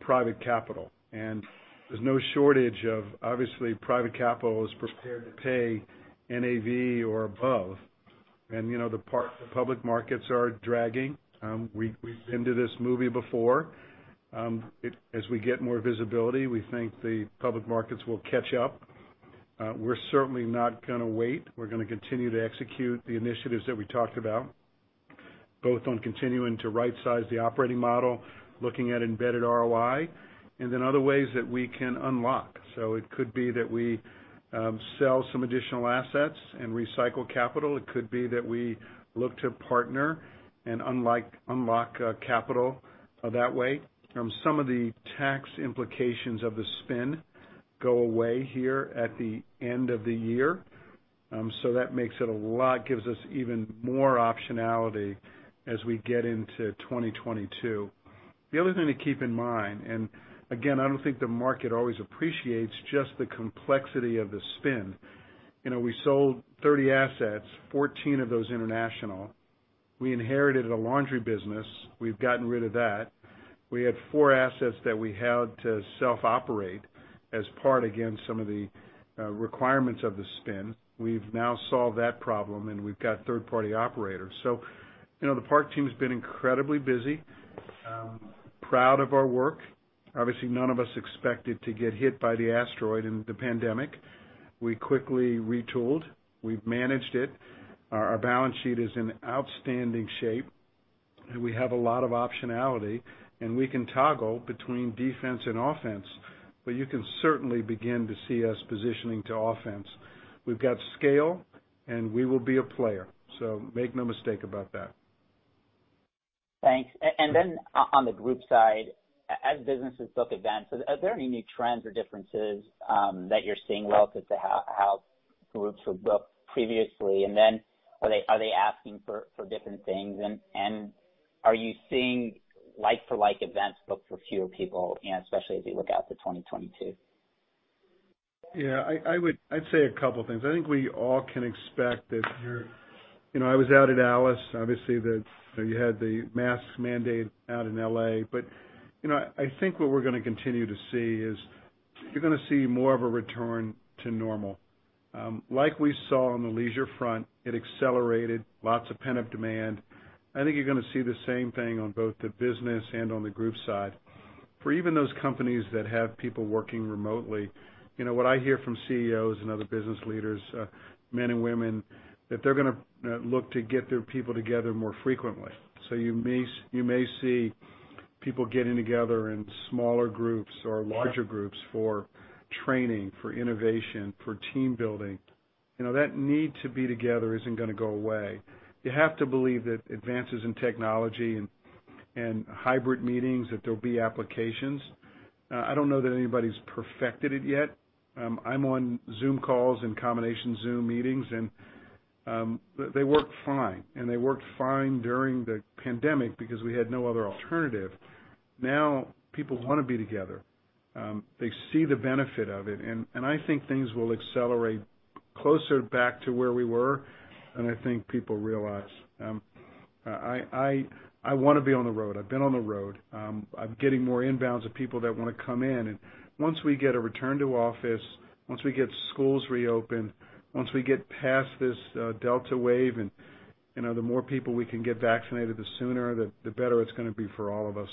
private capital. There's no shortage of, obviously, private capital is prepared to pay NAV or above. The public markets are dragging. We've been to this movie before. As we get more visibility, we think the public markets will catch up. We're certainly not going to wait. We're going to continue to execute the initiatives that we talked about, both on continuing to right-size the operating model, looking at embedded ROI, and then other ways that we can unlock. It could be that we sell some additional assets and recycle capital. It could be that we look to partner and unlock capital that way. Some of the tax implications of the spin go away here at the end of the year. That makes it a lot, gives us even more optionality as we get into 2022. The other thing to keep in mind, and again, I don't think the market always appreciates just the complexity of the spin. We sold 30 assets, 14 of those international. We inherited a laundry business. We've gotten rid of that. We had 4 assets that we had to self-operate as part, again, some of the requirements of the spin. We've now solved that problem, and we've got third-party operators. The Park team's been incredibly busy. Proud of our work. Obviously, none of us expected to get hit by the asteroid and the pandemic. We quickly retooled. We've managed it. Our balance sheet is in outstanding shape. We have a lot of optionality. We can toggle between defense and offense. You can certainly begin to see us positioning to offense. We've got scale. We will be a player. Make no mistake about that. Thanks. On the group side, as businesses book events, are there any new trends or differences that you're seeing relative to how groups would book previously? Are they asking for different things? Are you seeing like-for-like events booked for fewer people, especially as we look out to 2022? I'd say a couple things. I think we all can expect that I was out at ALIS, obviously you had the mask mandate out in L.A. I think what we're going to continue to see is you're going to see more of a return to normal. Like we saw on the leisure front, it accelerated lots of pent-up demand. I think you're going to see the same thing on both the business and on the group side. For even those companies that have people working remotely, what I hear from CEOs and other business leaders, men and women, that they're going to look to get their people together more frequently. You may see people getting together in smaller groups or larger groups for training, for innovation, for team building. That need to be together isn't going to go away. You have to believe that advances in technology and hybrid meetings, that there'll be applications. I don't know that anybody's perfected it yet. I'm on Zoom calls and combination Zoom meetings, and they work fine, and they worked fine during the pandemic because we had no other alternative. Now, people want to be together. They see the benefit of it, and I think things will accelerate closer back to where we were than I think people realize. I want to be on the road. I've been on the road. I'm getting more inbounds of people that want to come in. Once we get a return to office, once we get schools reopened, once we get past this Delta wave, and the more people we can get vaccinated, the sooner, the better it's going to be for all of us.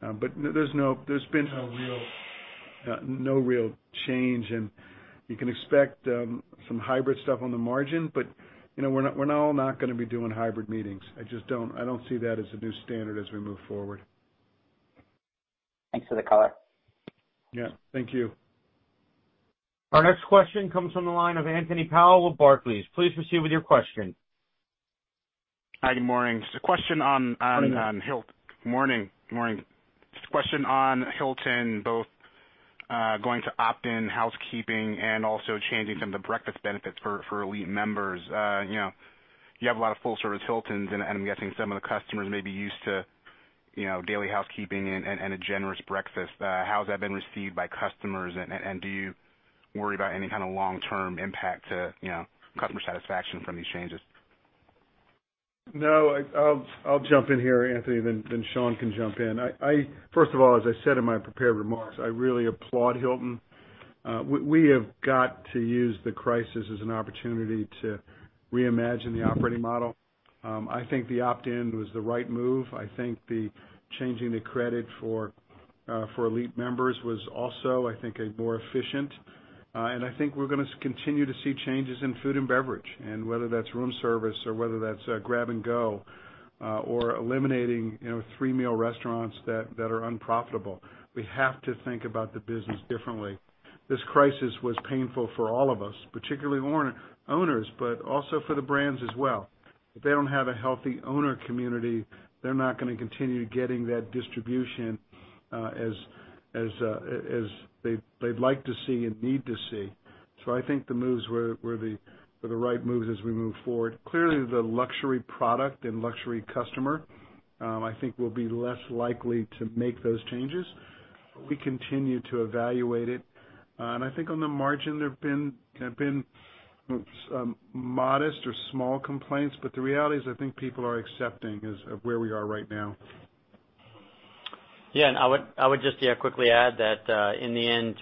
There's been no real change, you can expect some hybrid stuff on the margin, but we're all not going to be doing hybrid meetings. I don't see that as a new standard as we move forward. Thanks for the color. Yeah. Thank you. Our next question comes from the line of Anthony Powell with Barclays. Please proceed with your question. Hi, good morning. Just a question on-. Morning. ...morning. Just a question on Hilton, both going to opt-in housekeeping and also changing some of the breakfast benefits for elite members. You have a lot of full-service Hiltons, and I'm guessing some of the customers may be used to daily housekeeping and a generous breakfast. How has that been received by customers, and do you worry about any kind of long-term impact to customer satisfaction from these changes? No, I'll jump in here, Anthony, then Sean can jump in. First of all, as I said in my prepared remarks, I really applaud Hilton. We have got to use the crisis as an opportunity to reimagine the operating model. I think the opt-in was the right move. I think the changing the credit for elite members was also a more efficient. I think we're going to continue to see changes in food and beverage, and whether that's room service or whether that's grab and go or eliminating three meal restaurants that are unprofitable. We have to think about the business differently. This crisis was painful for all of us, particularly owners, but also for the brands as well. If they don't have a healthy owner community, they're not going to continue getting that distribution as they'd like to see and need to see. I think the moves were the right moves as we move forward. Clearly, the luxury product and luxury customer, I think, will be less likely to make those changes, but we continue to evaluate it. I think on the margin, there have been modest or small complaints, but the reality is, I think people are accepting of where we are right now. I would just quickly add that in the end,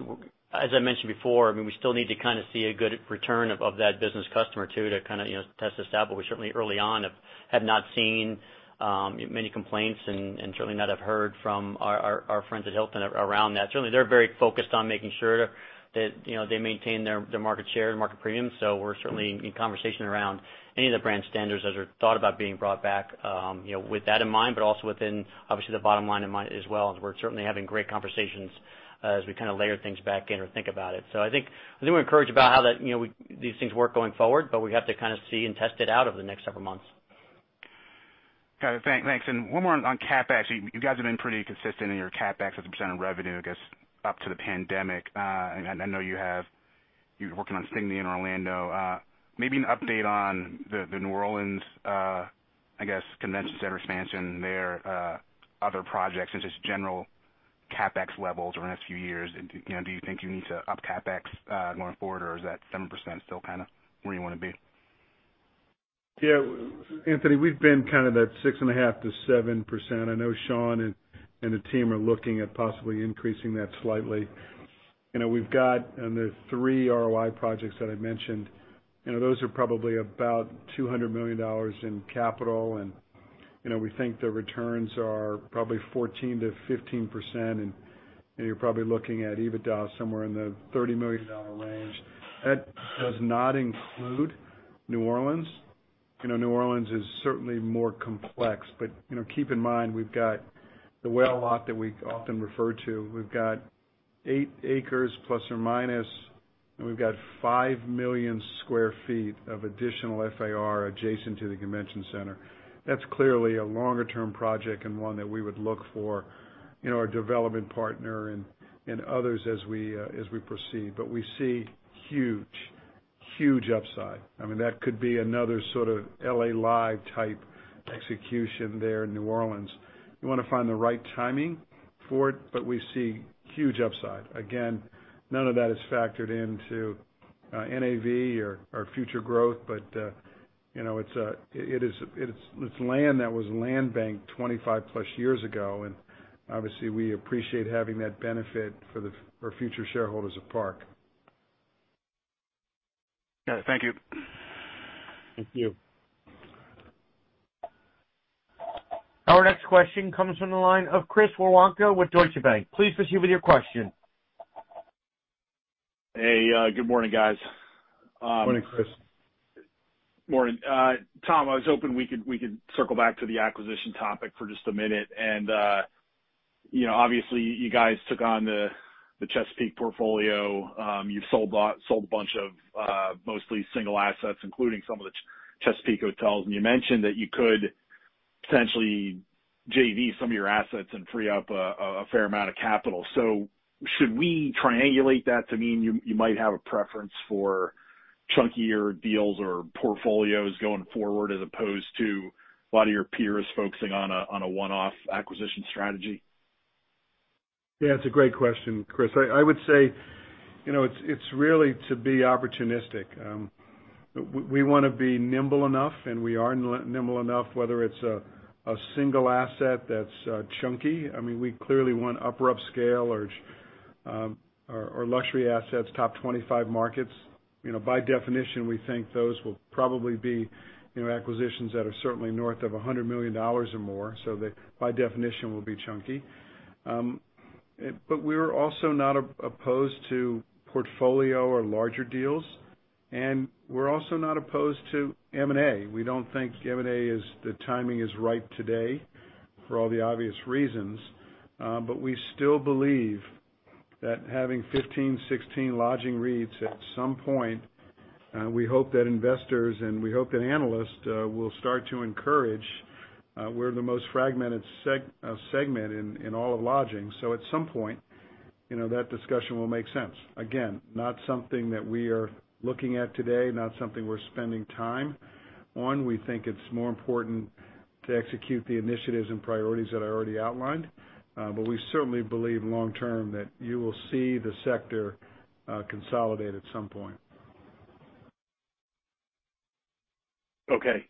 as I mentioned before, we still need to kind of see a good return of that business customer too to kind of test this out. We certainly early on have not seen many complaints and certainly not have heard from our friends at Hilton around that. Certainly, they're very focused on making sure that they maintain their market share and market premium. We're certainly in conversation around any of the brand standards as they're thought about being brought back with that in mind, but also within, obviously, the bottom line in mind as well. We're certainly having great conversations as we kind of layer things back in or think about it. I think we're encouraged about how these things work going forward, but we have to kind of see and test it out over the next several months. Got it. Thanks. One more on CapEx. You guys have been pretty consistent in your CapEx as a % of revenue, I guess, up to the pandemic. I know you're working on Signia and Orlando. Maybe an update on the New Orleans, I guess, convention center expansion there, other projects, and just general CapEx levels over the next few years. Do you think you need to up CapEx going forward, or is that 7% still kind of where you want to be? Yeah. Anthony, we've been kind of that 6.5%-7%. I know Sean and the team are looking at possibly increasing that slightly. The 3 ROI projects that I mentioned, those are probably about $200 million in capital, and we think the returns are probably 14%-15%, and you're probably looking at EBITDA somewhere in the $30 million range. That does not include New Orleans. New Orleans is certainly more complex, keep in mind, we've got the whale lot that we often refer to. We've got 8 acres plus or minus. We've got 5 million sq ft of additional FAR adjacent to the convention center. That's clearly a longer-term project and one that we would look for a development partner and others as we proceed. We see huge upside. That could be another sort of L.A. Live type execution there in New Orleans. We want to find the right timing for it, but we see huge upside. Again, none of that is factored into NAV or future growth, but it's land that was land banked 25 plus years ago, and obviously, we appreciate having that benefit for future shareholders of Park. Got it. Thank you. Thank you. Our next question comes from the line of Chris Woronka with Deutsche Bank. Please proceed with your question. Hey, good morning, guys. Morning, Chris. Morning. Tom, I was hoping we could circle back to the acquisition topic for just a minute. Obviously, you guys took on the Chesapeake portfolio. You've sold a bunch of mostly single assets, including some of the Chesapeake hotels, and you mentioned that you could potentially JV some of your assets and free up a fair amount of capital. Should we triangulate that to mean you might have a preference for chunkier deals or portfolios going forward, as opposed to a lot of your peers focusing on a one-off acquisition strategy? Yeah, it's a great question, Chris. I would say, it's really to be opportunistic. We want to be nimble enough, and we are nimble enough, whether it's a single asset that's chunky. We clearly want upper upscale or luxury assets, top 25 markets. By definition, we think those will probably be acquisitions that are certainly north of $100 million or more. They, by definition, will be chunky. We're also not opposed to portfolio or larger deals, and we're also not opposed to M&A. We don't think M&A, the timing is ripe today, for all the obvious reasons. We still believe that having 15-16 lodging REITs at some point, we hope that investors and we hope that analysts will start to encourage. We're the most fragmented segment in all of lodging. At some point, that discussion will make sense. Again, not something that we are looking at today, not something we're spending time on. We think it's more important to execute the initiatives and priorities that I already outlined. We certainly believe long term that you will see the sector consolidate at some point. Okay.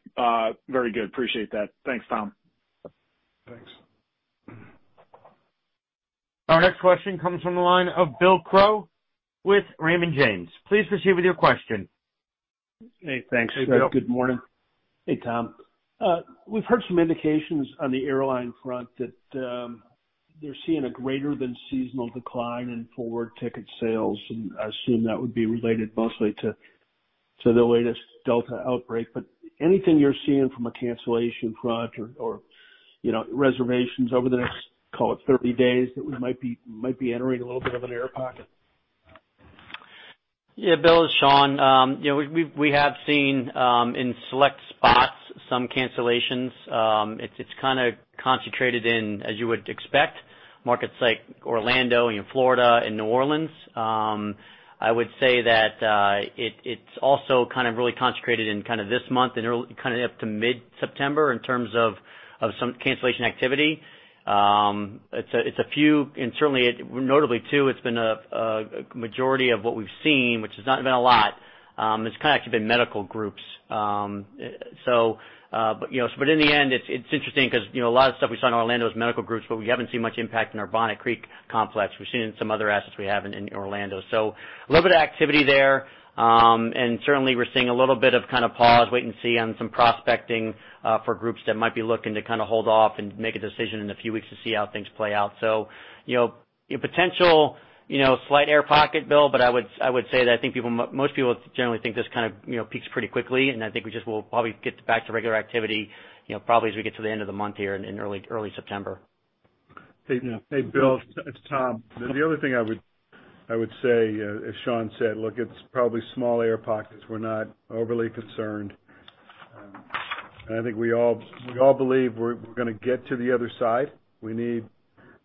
Very good. Appreciate that. Thanks, Tom. Thanks. Our next question comes from the line of Bill Crow with Raymond James. Please proceed with your question. Hey, thanks. Hey, Bill. Good morning. Hey, Tom. We've heard some indications on the airline front that they're seeing a greater than seasonal decline in forward ticket sales, and I assume that would be related mostly to the latest Delta outbreak. Anything you're seeing from a cancellation front or reservations over the next, call it, 30 days, that we might be entering a little bit of an air pocket? Yeah, Bill, it's Sean. We have seen, in select spots, some cancellations. It's kind of concentrated in, as you would expect, markets like Orlando, Florida, and New Orleans. I would say that it's also kind of really concentrated in this month and kind of up to mid-September in terms of some cancellation activity. It's a few, and certainly, notably too, it's been a majority of what we've seen, which has not been a lot, it's kind of actually been medical groups. In the end, it's interesting because a lot of the stuff we saw in Orlando was medical groups, but we haven't seen much impact in our Bonnet Creek complex. We've seen it in some other assets we have in Orlando. A little bit of activity there. Certainly, we're seeing a little bit of kind of pause, wait and see on some prospecting for groups that might be looking to kind of hold off and make a decision in a few weeks to see how things play out. Potential slight air pocket, Bill, but I would say that I think most people generally think this kind of peaks pretty quickly, and I think we just will probably get back to regular activity probably as we get to the end of the month here and in early September. Hey, Bill. It's Tom. The other thing I would say, as Sean said, look, it's probably small air pockets. We're not overly concerned. I think we all believe we're going to get to the other side. We need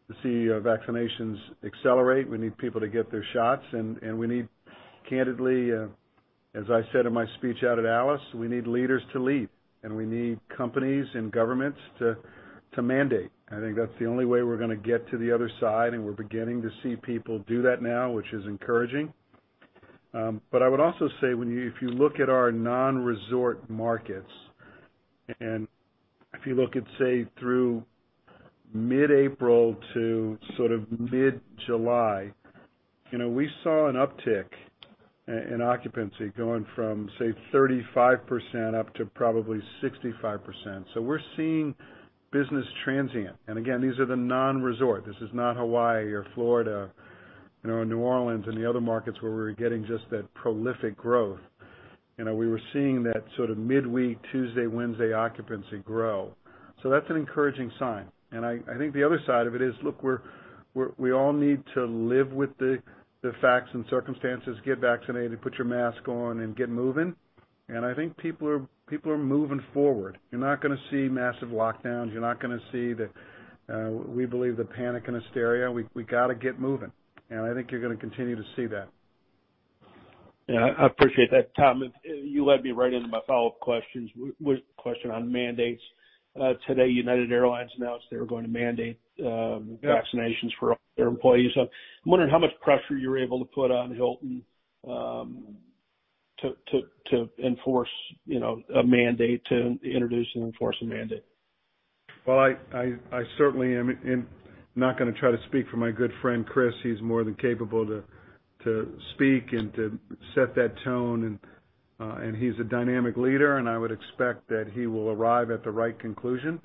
to see vaccinations accelerate. We need people to get their shots, and we need, candidly, as I said in my speech out at ALIS, we need leaders to lead, and we need companies and governments to mandate. I think that's the only way we're going to get to the other side, and we're beginning to see people do that now, which is encouraging. I would also say, if you look at our non-resort markets, and if you look at, say, through mid-April to sort of mid-July, we saw an uptick in occupancy going from, say, 35% up to probably 65%. We're seeing business transient. Again, these are the non-resort. This is not Hawaii or Florida or New Orleans and the other markets where we're getting just that prolific growth. We were seeing that sort of midweek, Tuesday, Wednesday occupancy grow. That's an encouraging sign. I think the other side of it is, look, we all need to live with the facts and circumstances, get vaccinated, put your mask on and get moving. I think people are moving forward. You're not going to see massive lockdowns. You're not going to see the, we believe, the panic and hysteria. We got to get moving. I think you're going to continue to see that. Yeah, I appreciate that, Tom. You led me right into my follow-up question on mandates. Today, United Airlines announced they were going to mandate vaccinations for all their employees. I'm wondering how much pressure you're able to put on Hilton to enforce a mandate, to introduce and enforce a mandate. Well, I certainly am not going to try to speak for my good friend, Chris. He's more than capable to speak and to set that tone, and he's a dynamic leader, and I would expect that he will arrive at the right conclusion.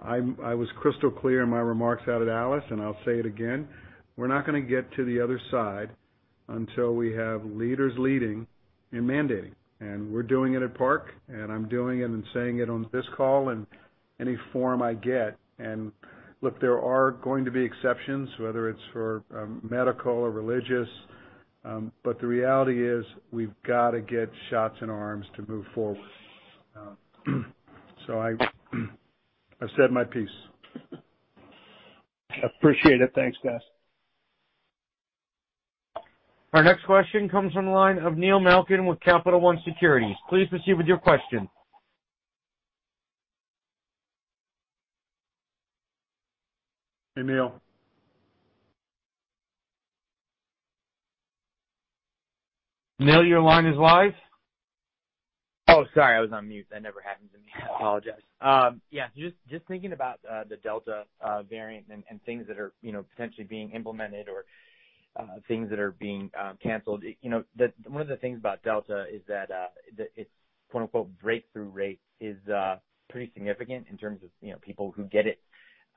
I was crystal clear in my remarks out at ALIS, and I'll say it again. We're not going to get to the other side until we have leaders leading and mandating. We're doing it at Park, and I'm doing it and saying it on this call and any forum I get. Look, there are going to be exceptions, whether it's for medical or religious. The reality is, we've got to get shots in arms to move forward. I've said my piece. Appreciate it. Thanks, guys. Our next question comes from the line of Neil Malkin with Capital One Securities. Please proceed with your question. Hey, Neil. Neil, your line is live. Oh, sorry, I was on mute. That never happens to me. I apologize. Yeah, just thinking about the Delta variant and things that are potentially being implemented or things that are being canceled. One of the things about Delta is that its "breakthrough rate" is pretty significant in terms of people who get it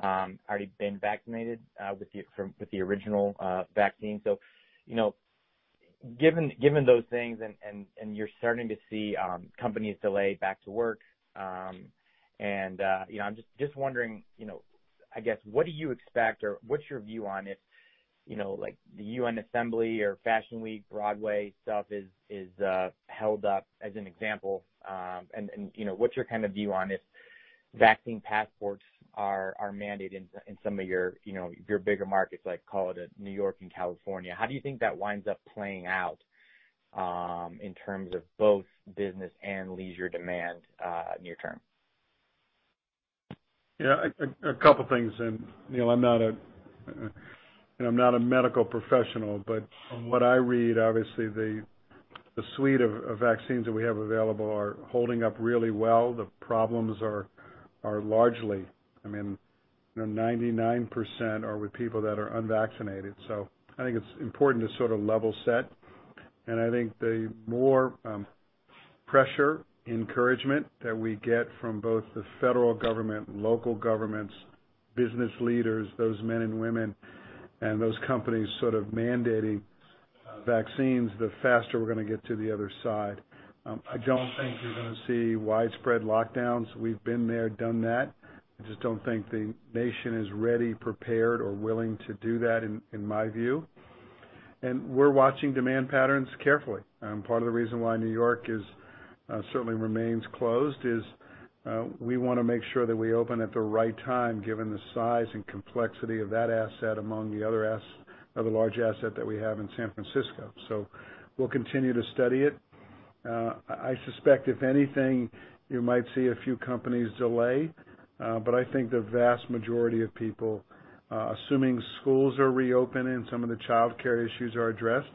already been vaccinated with the original vaccine. Given those things, and you're starting to see companies delay back to work, and I'm just wondering, I guess, what do you expect or what's your view on if the UN Assembly or Fashion Week, Broadway stuff is held up as an example? What's your view on if vaccine passports are mandated in some of your bigger markets, like call it New York and California? How do you think that winds up playing out in terms of both business and leisure demand near term? Yeah, a couple things. Neil, I'm not a medical professional, but from what I read, obviously, the suite of vaccines that we have available are holding up really well. The problems are largely, 99% are with people that are unvaccinated. I think it's important to sort of level set. I think the more pressure, encouragement that we get from both the federal government, local governments, business leaders, those men and women, and those companies sort of mandating vaccines, the faster we're going to get to the other side. I don't think you're going to see widespread lockdowns. We've been there, done that. I just don't think the nation is ready, prepared, or willing to do that, in my view. We're watching demand patterns carefully. Part of the reason why New York certainly remains closed is we want to make sure that we open at the right time, given the size and complexity of that asset among the other large asset that we have in San Francisco. We'll continue to study it. I suspect if anything, you might see a few companies delay. I think the vast majority of people, assuming schools are reopening, some of the childcare issues are addressed,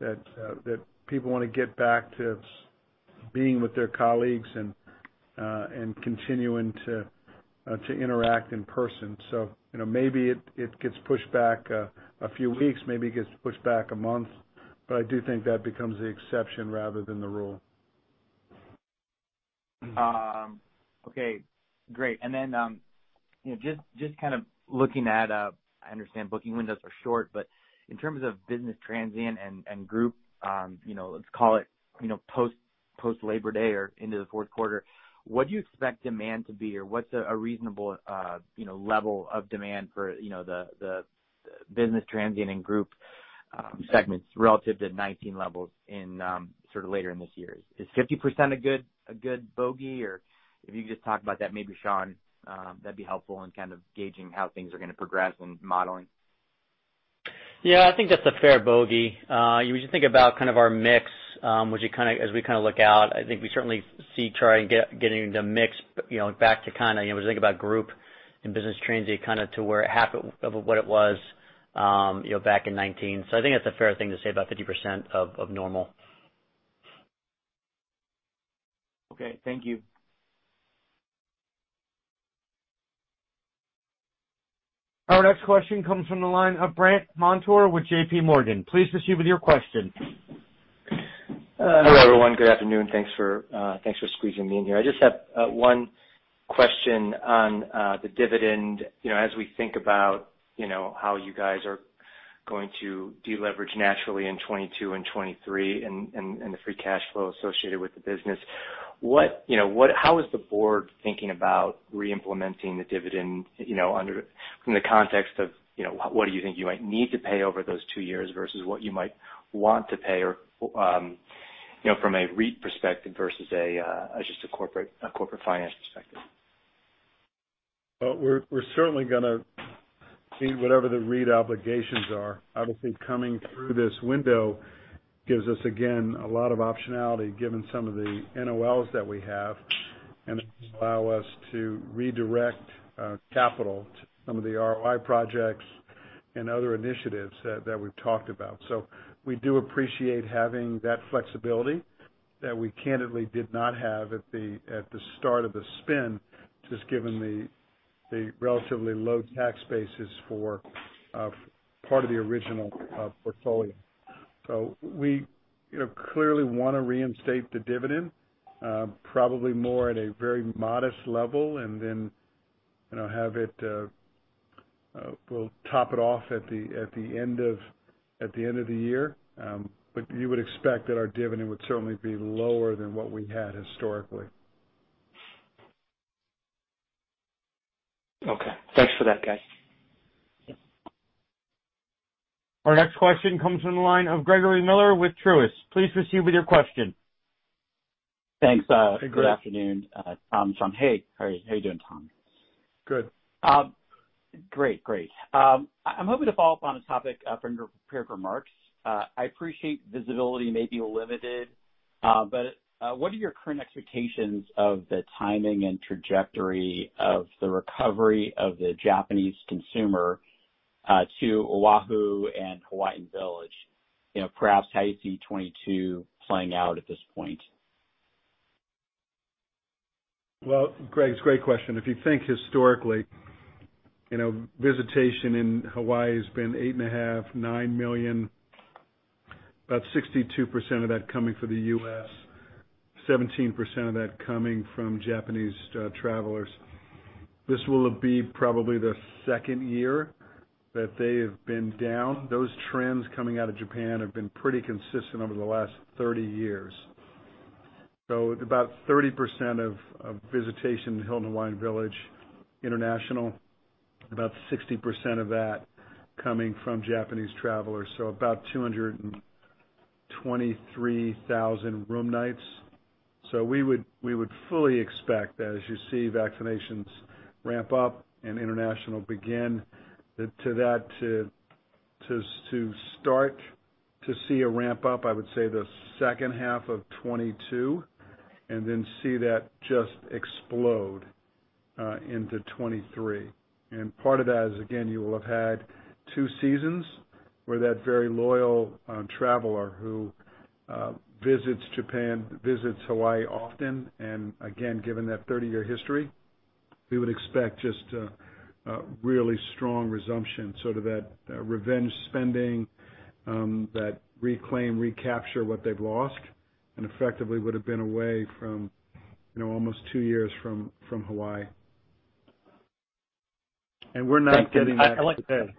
that people want to get back to being with their colleagues and continuing to interact in person. Maybe it gets pushed back a few weeks, maybe it gets pushed back a month. I do think that becomes the exception rather than the rule. Okay, great. Then, just kind of looking at, I understand booking windows are short, but in terms of business transient and group, let's call it, post Labor Day or into the fourth quarter, what do you expect demand to be or what's a reasonable level of demand for the business transient and group segments relative to 2019 levels in sort of later in this year? Is 50% a good bogey? If you could just talk about that, maybe Sean, that'd be helpful in kind of gauging how things are going to progress in modeling. Yeah, I think that's a fair bogey. You think about our mix, as we look out, I think we certainly see trying getting the mix back to when you think about group and business transient to where half of what it was back in 2019. I think that's a fair thing to say, about 50% of normal. Okay, thank you. Our next question comes from the line of Brandt Montour with JPMorgan. Please proceed with your question. Hello, everyone. Good afternoon. Thanks for squeezing me in here. I just have one question on the dividend. As we think about how you guys are going to deleverage naturally in 2022 and 2023 and the free cash flow associated with the business. How is the board thinking about re-implementing the dividend from the context of what do you think you might need to pay over those two years versus what you might want to pay from a REIT perspective versus just a corporate finance perspective? We're certainly going to see whatever the REIT obligations are. Obviously, coming through this window gives us, again, a lot of optionality given some of the NOLs that we have, and allow us to redirect capital to some of the ROI projects and other initiatives that we've talked about. We do appreciate having that flexibility that we candidly did not have at the start of the spin, just given the relatively low tax bases for part of the original portfolio. We clearly want to reinstate the dividend, probably more at a very modest level and then we'll top it off at the end of the year. You would expect that our dividend would certainly be lower than what we had historically. Okay. Thanks for that guys. Our next question comes from the line of Gregory Miller with Truist. Please proceed with your question. Thanks. Hey, Greg. Good afternoon, Tom. Hey. How are you doing, Tom? Good. Great. I'm hoping to follow up on a topic from your prepared remarks. I appreciate visibility may be limited, but what are your current expectations of the timing and trajectory of the recovery of the Japanese consumer to Oahu and Hilton Hawaiian Village? Perhaps how you see 2022 playing out at this point. Well, Greg, it's a great question. If you think historically, visitation in Hawaii has been 8.5 million-9 million, about 62% of that coming from the U.S., 17% of that coming from Japanese travelers. This will be probably the second year that they have been down. Those trends coming out of Japan have been pretty consistent over the last 30 years. About 30% of visitation to Hilton Hawaiian Village, about 60% of that coming from Japanese travelers, about 223,000 room nights. We would fully expect that as you see vaccinations ramp up and international begin to see a ramp up, I would say the second half of 2022, then see that just explode into 2023. Part of that is, again, you will have had two seasons where that very loyal traveler who visits Japan, visits Hawaii often, again, given that 30-year history, we would expect just a really strong resumption, sort of that revenge spending, that reclaim, recapture what they've lost and effectively would've been away from almost two years from Hawaii. We're not getting that today.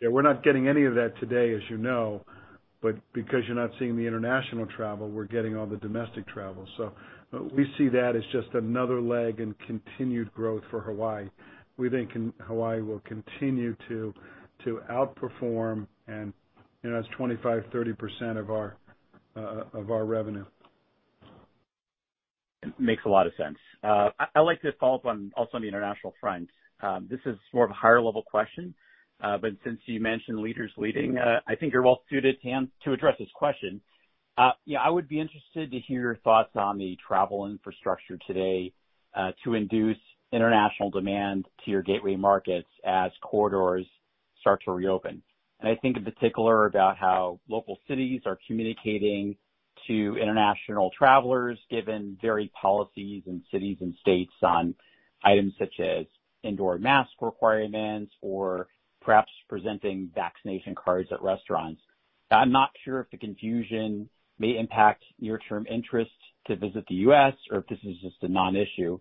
Yeah. We're not getting any of that today, as you know, but because you're not seeing the international travel, we're getting all the domestic travel. We see that as just another leg in continued growth for Hawaii. We think Hawaii will continue to outperform, and that's 25%-30% of our revenue. Makes a lot of sense. I'd like to follow up also on the international front. This is more of a higher level question. Since you mentioned leaders leading, I think you're well suited, Tom, to address this question. I would be interested to hear your thoughts on the travel infrastructure today, to induce international demand to your gateway markets as corridors start to reopen. I think in particular about how local cities are communicating to international travelers, given varied policies in cities and states on items such as indoor mask requirements or perhaps presenting vaccination cards at restaurants. I'm not sure if the confusion may impact near term interests to visit the U.S. or if this is just a non-issue.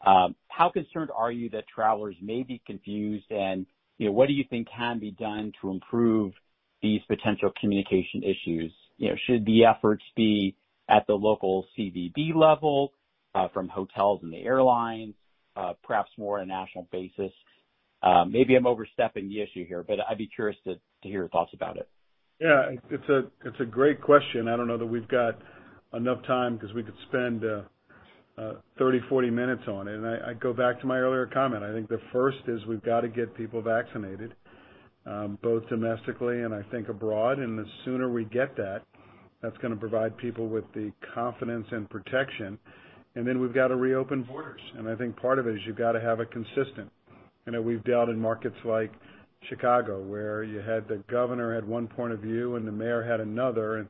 How concerned are you that travelers may be confused, and what do you think can be done to improve these potential communication issues? Should the efforts be at the local CVB level, from hotels and the airlines? Perhaps more on a national basis. Maybe I'm overstepping the issue here, but I'd be curious to hear your thoughts about it. Yeah. It's a great question. I don't know that we've got enough time because we could spend 30, 40 minutes on it. I go back to my earlier comment. I think the first is we've got to get people vaccinated, both domestically and I think abroad. The sooner we get that's going to provide people with the confidence and protection. We've got to reopen borders. I think part of it is you've got to have it consistent. I know we've dealt in markets like Chicago where you had the governor at one point of view and the mayor had another.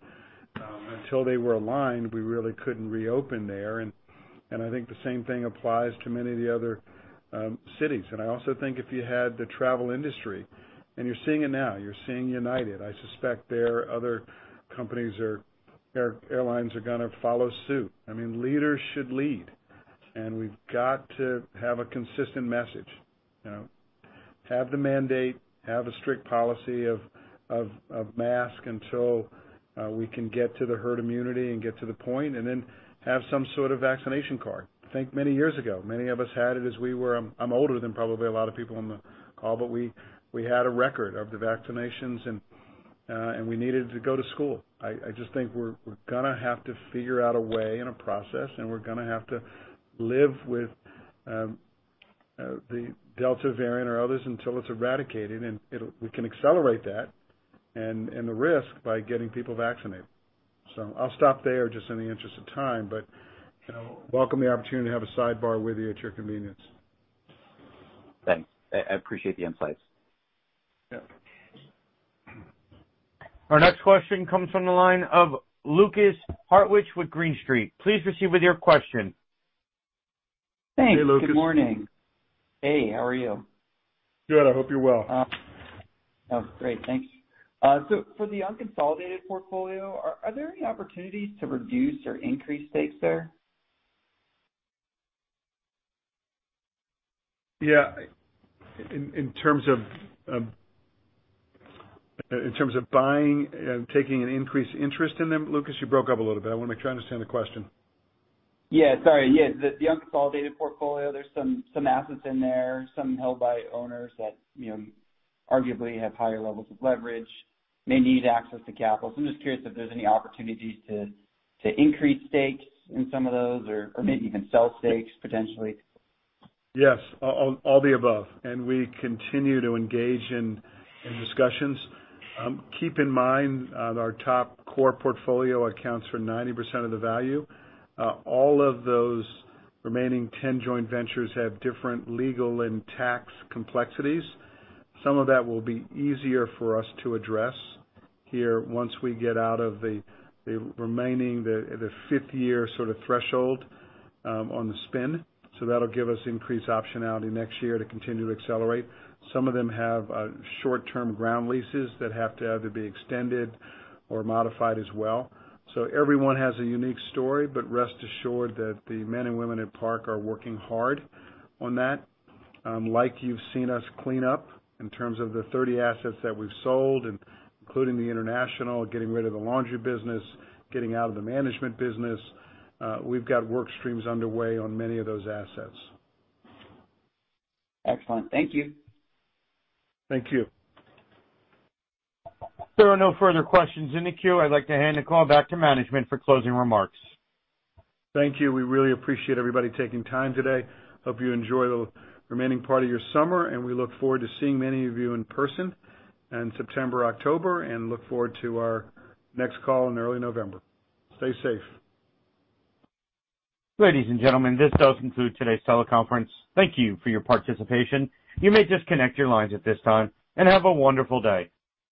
Until they were aligned, we really couldn't reopen there. I think the same thing applies to many of the other cities. I also think if you had the travel industry, and you're seeing it now, you're seeing United. I suspect their other companies or airlines are going to follow suit. I mean, leaders should lead. We've got to have a consistent message. Have the mandate, have a strict policy of mask until we can get to the herd immunity and get to the point, and then have some sort of vaccination card. I think many years ago, many of us had it as we were I'm older than probably a lot of people on the call, but we had a record of the vaccinations, and we needed to go to school. I just think we're going to have to figure out a way and a process, and we're going to have to live with the Delta variant or others until it's eradicated. We can accelerate that and the risk by getting people vaccinated. I'll stop there just in the interest of time but welcome the opportunity to have a sidebar with you at your convenience. Thanks. I appreciate the insights. Yeah. Our next question comes from the line of Lukas Hartwich with Green Street. Please proceed with your question. Thanks. Hey, Lukas. Good morning. Hey, how are you? Good. I hope you're well. Oh, great. Thanks. For the unconsolidated portfolio, are there any opportunities to reduce or increase stakes there? Yeah. In terms of buying and taking an increased interest in them, Lukas, you broke up a little bit. I want to make sure I understand the question. The unconsolidated portfolio, there's some assets in there, some held by owners that arguably have higher levels of leverage, may need access to capital. I'm just curious if there's any opportunities to increase stakes in some of those or maybe even sell stakes potentially. Yes. All the above. We continue to engage in discussions. Keep in mind, our top core portfolio accounts for 90% of the value. All of those remaining 10 joint ventures have different legal and tax complexities. Some of that will be easier for us to address here once we get out of the remaining, the fifth year sort of threshold on the spin. That'll give us increased optionality next year to continue to accelerate. Some of them have short-term ground leases that have to either be extended or modified as well. Everyone has a unique story but rest assured that the men and women at Park are working hard on that. Like you've seen us clean up in terms of the 30 assets that we've sold, including the international, getting rid of the laundry business, getting out of the management business. We've got work streams underway on many of those assets. Excellent. Thank you. Thank you. If there are no further questions in the queue, I'd like to hand the call back to management for closing remarks. Thank you. We really appreciate everybody taking time today. Hope you enjoy the remaining part of your summer, and we look forward to seeing many of you in person in September, October, and look forward to our next call in early November. Stay safe. Ladies and gentlemen, this does conclude today's teleconference. Thank you for your participation. You may disconnect your lines at this time, and have a wonderful day.